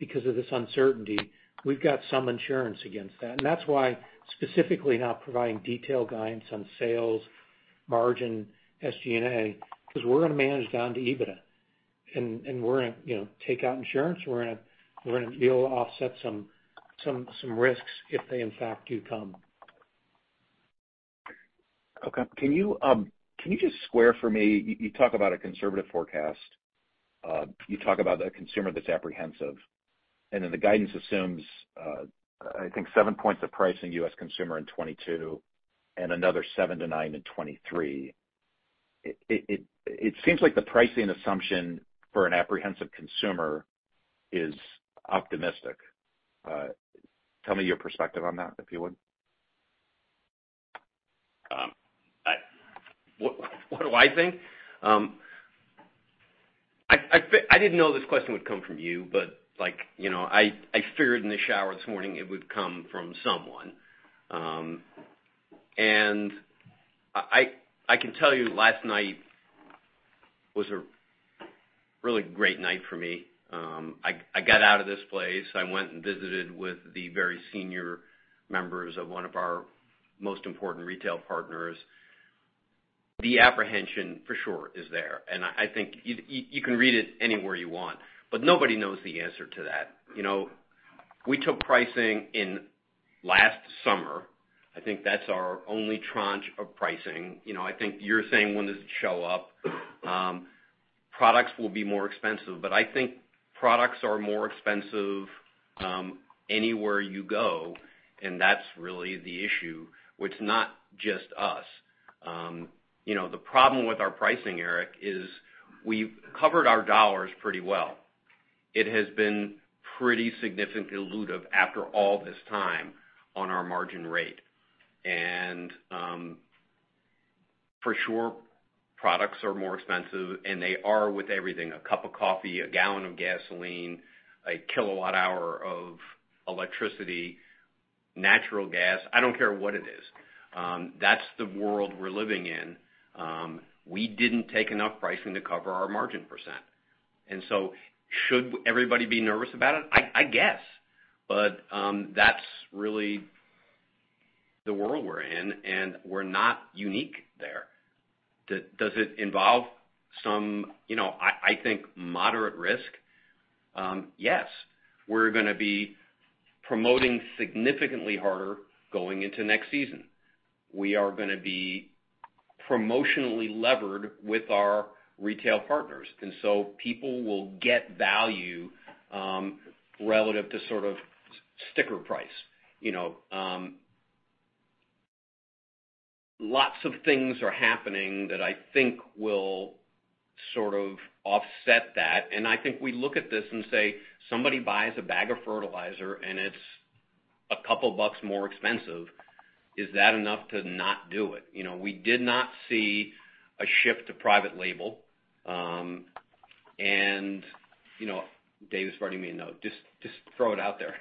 [SPEAKER 4] because of this uncertainty, we've got some insurance against that. That's why specifically not providing detailed guidance on sales, margin, SG&A, 'cause we're gonna manage down to EBITDA. And we're gonna, you know, take out insurance. We're gonna be able to offset some risks if they in fact do come.
[SPEAKER 9] Okay. Can you just square for me, you talk about a conservative forecast, you talk about a consumer that's apprehensive, and then the guidance assumes, I think seven points of pricing U.S. consumer in 2022 and another 7-9 in 2023. It seems like the pricing assumption for an apprehensive consumer is optimistic. Tell me your perspective on that, if you would.
[SPEAKER 3] What do I think? I didn't know this question would come from you, but like, you know, I figured in the shower this morning it would come from someone. I can tell you last night was a really great night for me. I got out of this place. I went and visited with the very senior members of one of our most important retail partners. The apprehension, for sure, is there, and I think you can read it anywhere you want. Nobody knows the answer to that. You know, we took pricing in last summer. I think that's our only tranche of pricing. You know, I think you're saying when does it show up? Products will be more expensive, but I think products are more expensive anywhere you go, and that's really the issue, which not just us. You know, the problem with our pricing, Eric, is we've covered our dollars pretty well. It has been pretty significantly elusive after all this time on our margin rate. For sure products are more expensive, and they are with everything, a cup of coffee, a gallon of gasoline, a kilowatt hour of electricity, natural gas. I don't care what it is. That's the world we're living in. We didn't take enough pricing to cover our margin percent. Should everybody be nervous about it? I guess. That's really the world we're in, and we're not unique there. Does it involve some, you know, I think, moderate risk? Yes. We're gonna be promoting significantly harder going into next season. We are gonna be promotionally levered with our retail partners, and so people will get value relative to sort of sticker price. You know, lots of things are happening that I think will sort of offset that. I think we look at this and say, somebody buys a bag of fertilizer and it's a couple bucks more expensive. Is that enough to not do it? You know, we did not see a shift to private label. You know, Dave just read me a note. Just throw it out there.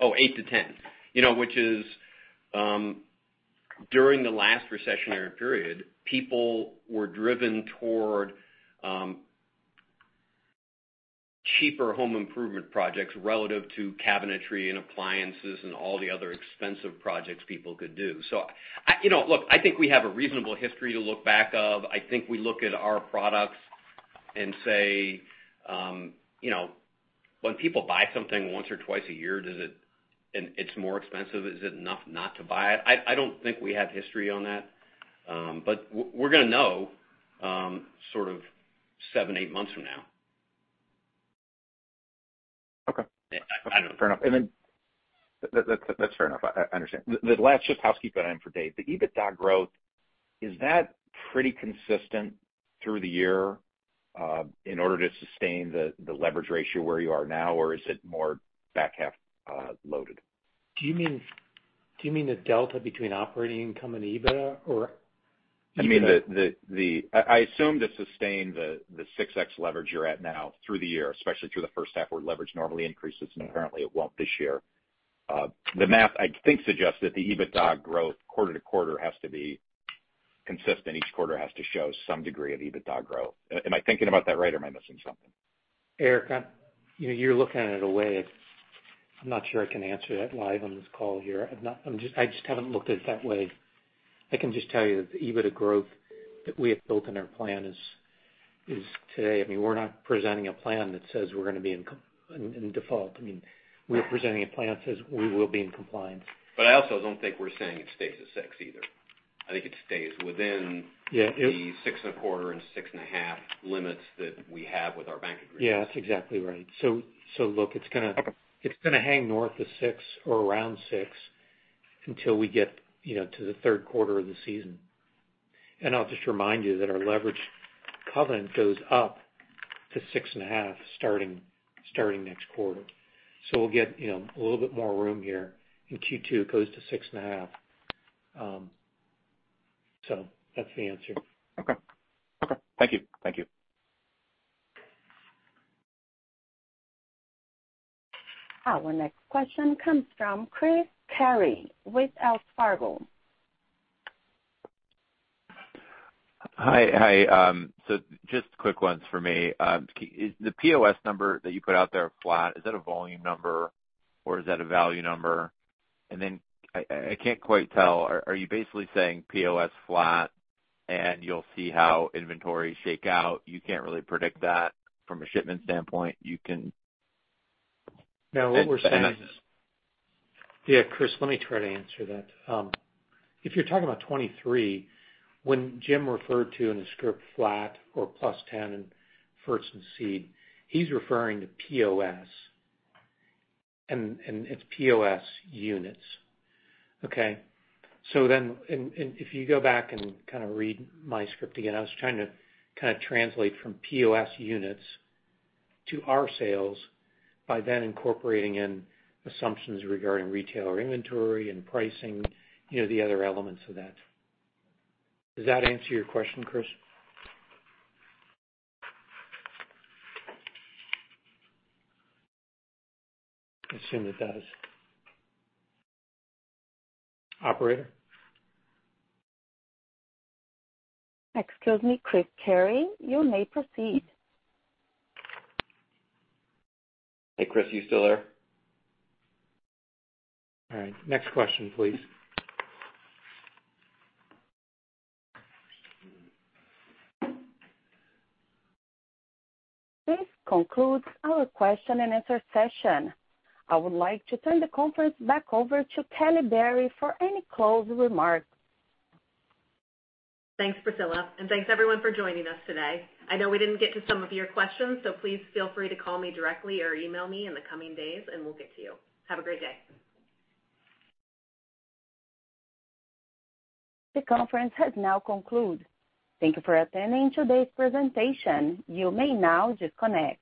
[SPEAKER 3] Oh, 8%-10%. You know, which is during the last recessionary period, people were driven toward cheaper home improvement projects relative to cabinetry and appliances and all the other expensive projects people could do. I, you know, look, I think we have a reasonable history to look back of. I think we look at our products and say, you know, when people buy something once or twice a year, does it and it's more expensive, is it enough not to buy it? I don't think we have history on that. We're gonna know, sort of seven, eight months from now.
[SPEAKER 9] Okay.
[SPEAKER 3] I don't know.
[SPEAKER 9] Fair enough. That's fair enough. I understand. Just the last housekeeping item for Dave. The EBITDA growth, is that pretty consistent through the year, in order to sustain the leverage ratio where you are now? Or is it more back half loaded?
[SPEAKER 4] Do you mean the delta between operating income and EBITDA, or?
[SPEAKER 9] I mean, I assume to sustain the 6x leverage you're at now through the year, especially through the first half, where leverage normally increases, and apparently it won't this year. The math, I think, suggests that the EBITDA growth quarter-over-quarter has to be consistent. Each quarter has to show some degree of EBITDA growth. Am I thinking about that right, or am I missing something?
[SPEAKER 4] Eric, I'm not sure I can answer that live on this call here. I'm just, I haven't looked at it that way. I can just tell you that the EBITDA growth that we have built in our plan is today. I mean, we're not presenting a plan that says we're gonna be in default. I mean, we're presenting a plan that says we will be in compliance.
[SPEAKER 3] I also don't think we're saying it stays at six either. I think it stays within-
[SPEAKER 4] Yeah.
[SPEAKER 3] The 6.25 and 6.5 limits that we have with our bank agreement.
[SPEAKER 4] Yeah, that's exactly right. Look, it's gonna.
[SPEAKER 3] Okay.
[SPEAKER 4] It's gonna hang North of six or around six until we get, you know, to the third quarter of the season. I'll just remind you that our leverage covenant goes up to 6.5 starting next quarter. We'll get, you know, a little bit more room here. In Q2, it goes to 6.5. That's the answer.
[SPEAKER 9] Okay. Thank you.
[SPEAKER 1] Our next question comes from Christopher Carey with Wells Fargo.
[SPEAKER 11] Hi. Just quick ones for me. Is the POS number that you put out there flat, is that a volume number or is that a value number? Then I can't quite tell, are you basically saying POS flat and you'll see how inventory shake out? You can't really predict that from a shipment standpoint. You can-
[SPEAKER 4] No, what we're saying is.
[SPEAKER 11] And, and that's-
[SPEAKER 4] Yeah, Chris, let me try to answer that. If you're talking about 2023, when Jim referred to in the script flat or +10 in fruits and seed, he's referring to POS. And it's POS units. Okay? So then, if you go back and kind of read my script again, I was trying to kind of translate from POS units to our sales by then incorporating in assumptions regarding retailer inventory and pricing, you know, the other elements of that. Does that answer your question, Chris? I assume it does. Operator?
[SPEAKER 1] Excuse me, Christopher Carey, you may proceed.
[SPEAKER 3] Hey, Chris, are you still there?
[SPEAKER 4] All right. Next question, please.
[SPEAKER 1] This concludes our question and answer session. I would like to turn the conference back over to Kelly Berry for any closing remarks.
[SPEAKER 2] Thanks, Priscilla, and thanks everyone for joining us today. I know we didn't get to some of your questions, so please feel free to call me directly or email me in the coming days, and we'll get to you. Have a great day.
[SPEAKER 1] The conference has now concluded. Thank you for attending today's presentation. You may now disconnect.